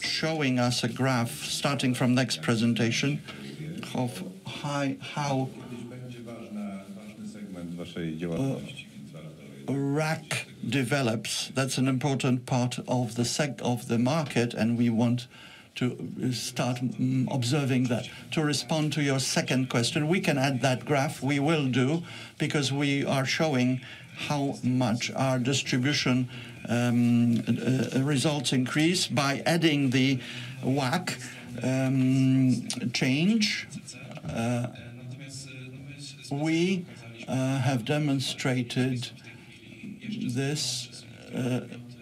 showing us a graph starting from next presentation of how RAB develops. That's an important part of the market, and we want to start observing that. To respond to your second question, we can add that graph. We will do, because we are showing how much our distribution results increase by adding the WACC change. We have demonstrated this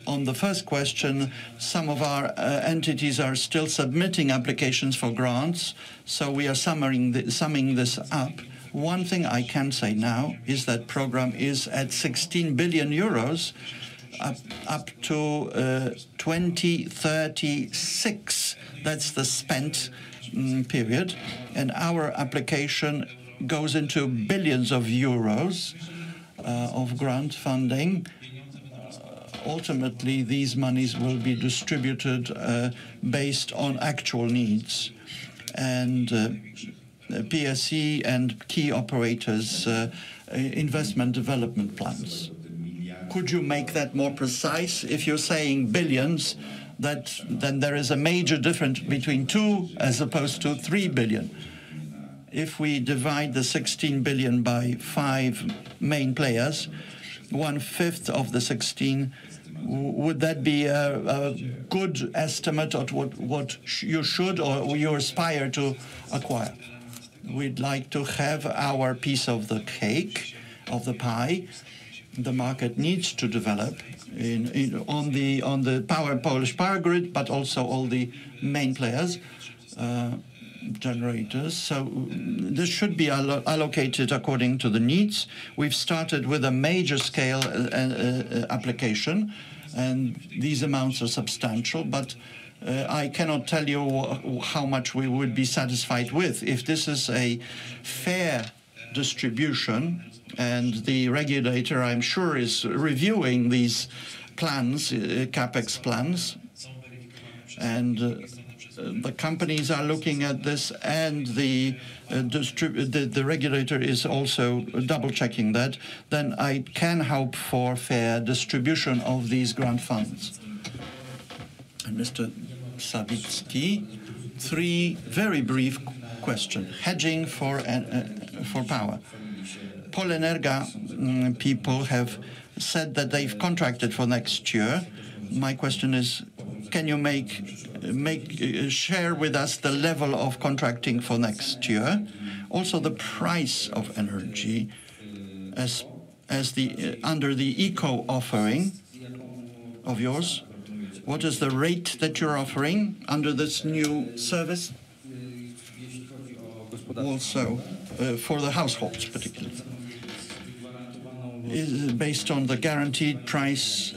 on the first question. Some of our entities are still submitting applications for grants, so we are summing this up. One thing I can say now is that program is at 16 billion euros, up to 2036. That's the spent period. And our application goes into billions of EUR of grant funding. Ultimately, these monies will be distributed based on actual needs and PSE and key operators, investment development plans. Could you make that more precise? If you're saying billions, then there is a major difference between two as opposed to three billion. If we divide the 16 billion by five main players, 1/5 of the 16, would that be a good estimate of what you should or you aspire to acquire? We'd like to have our piece of the cake, of the pie. The market needs to develop on the Polish power grid, but also all the main players, generators. So this should be allocated according to the needs. We've started with a major scale application, and these amounts are substantial, but I cannot tell you how much we would be satisfied with if this is a fair distribution, and the regulator, I'm sure, is reviewing these plans, plans, and the companies are looking at this, and the regulator is also double-checking that, then I can hope for fair distribution of these grant funds. Mr. Sawicki, three very brief questions. Hedging for power. Polenergia, people have said that they've contracted for next year. My question is, can you share with us the level of contracting for next year? Also, the price of energy under the eco offering of yours, what is the rate that you're offering under this new service? Also, for the households, particularly. Based on the guaranteed price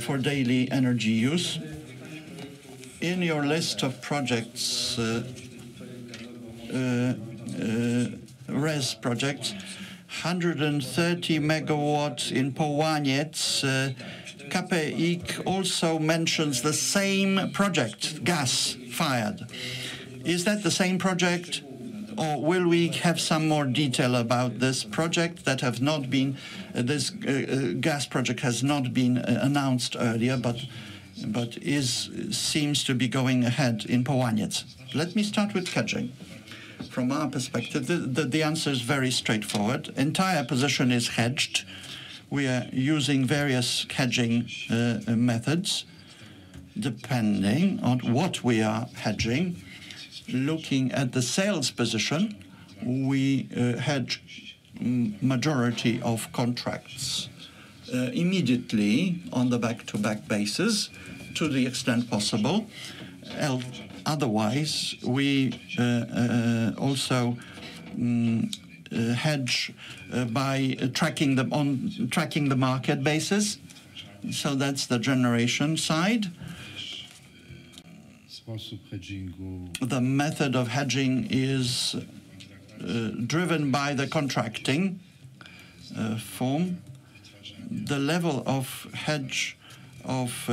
for daily energy use. In your list of projects, RES projects, 130 MW in Połaniec. KPI also mentions the same project, gas fired. Is that the same project, or will we have some more detail about this project that has not been? This gas project has not been announced earlier, but seems to be going ahead in Połaniec. Let me start with hedging. From our perspective, the answer is very straightforward. The entire position is hedged. We are using various hedging methods depending on what we are hedging. Looking at the sales position, we hedge the majority of contracts immediately on the back-to-back basis to the extent possible. Otherwise, we also hedge by tracking the market basis. So that's the generation side. The method of hedging is driven by the contracting form. The level of hedge of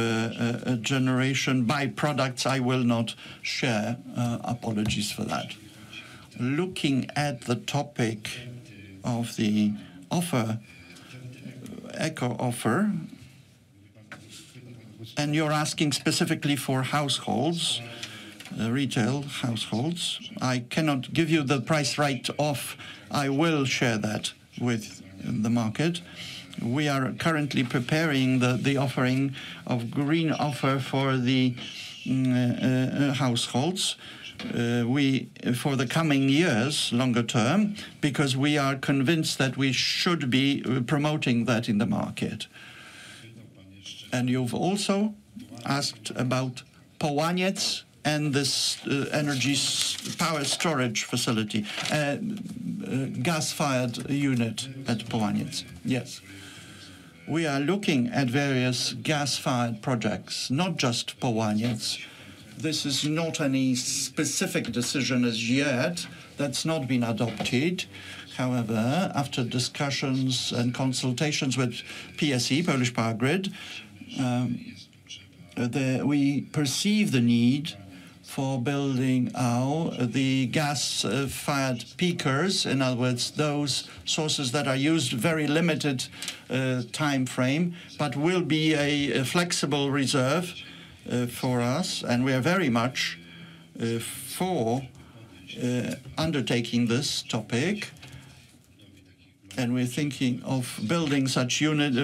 generation by products, I will not share. Apologies for that. Looking at the topic of the eco offer, and you're asking specifically for households, retail households. I cannot give you the price right off. I will share that with the market. We are currently preparing the offering of green offer for the households for the coming years, longer term, because we are convinced that we should be promoting that in the market. And you've also asked about Połaniec and this energy power storage facility, gas-fired unit at Połaniec. Yes. We are looking at various gas-fired projects, not just Połaniec. This is not any specific decision as yet. That's not been adopted. However, after discussions and consultations with PSE, Polish Power Grid, we perceive the need for building out the gas-fired peakers, in other words, those sources that are used very limited timeframe, but will be a flexible reserve for us. We are very much for undertaking this topic. We're thinking of building such units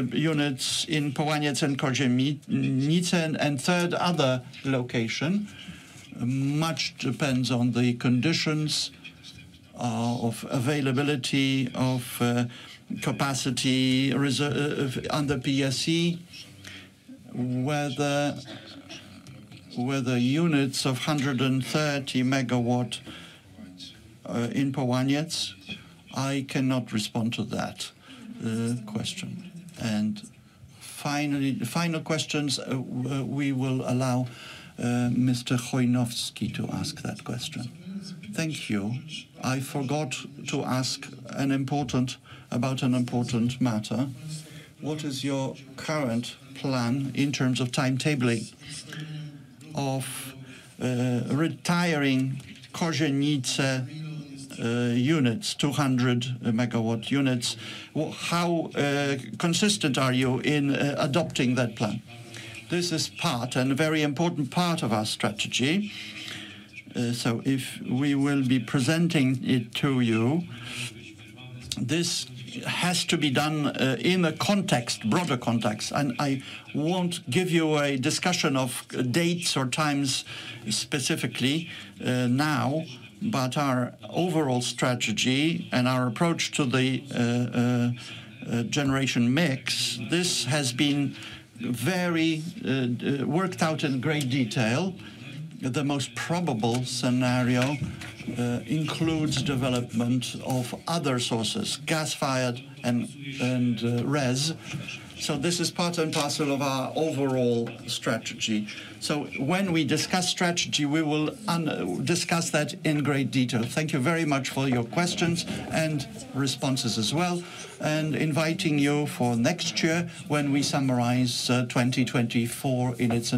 in Połaniec and Kozienice and third other location. Much depends on the conditions of availability of capacity under PSE. Whether units of 130 MW in Połaniec, I cannot respond to that question. For final questions, we will allow Mr. Chojnacki to ask that question. Thank you. I forgot to ask about an important matter. What is your current plan in terms of timetabling of retiring Kozienice units, 200 MW units? How consistent are you in adopting that plan? This is part and very important part of our strategy. So if we will be presenting it to you, this has to be done in a broader context. And I won't give you a discussion of dates or times specifically now, but our overall strategy and our approach to the generation mix, this has been very worked out in great detail. The most probable scenario includes development of other sources, gas-fired and res. So, this is part and parcel of our overall strategy. So when we discuss strategy, we will discuss that in great detail. Thank you very much for your questions and responses as well and inviting you for next year when we summarize 2024 in its.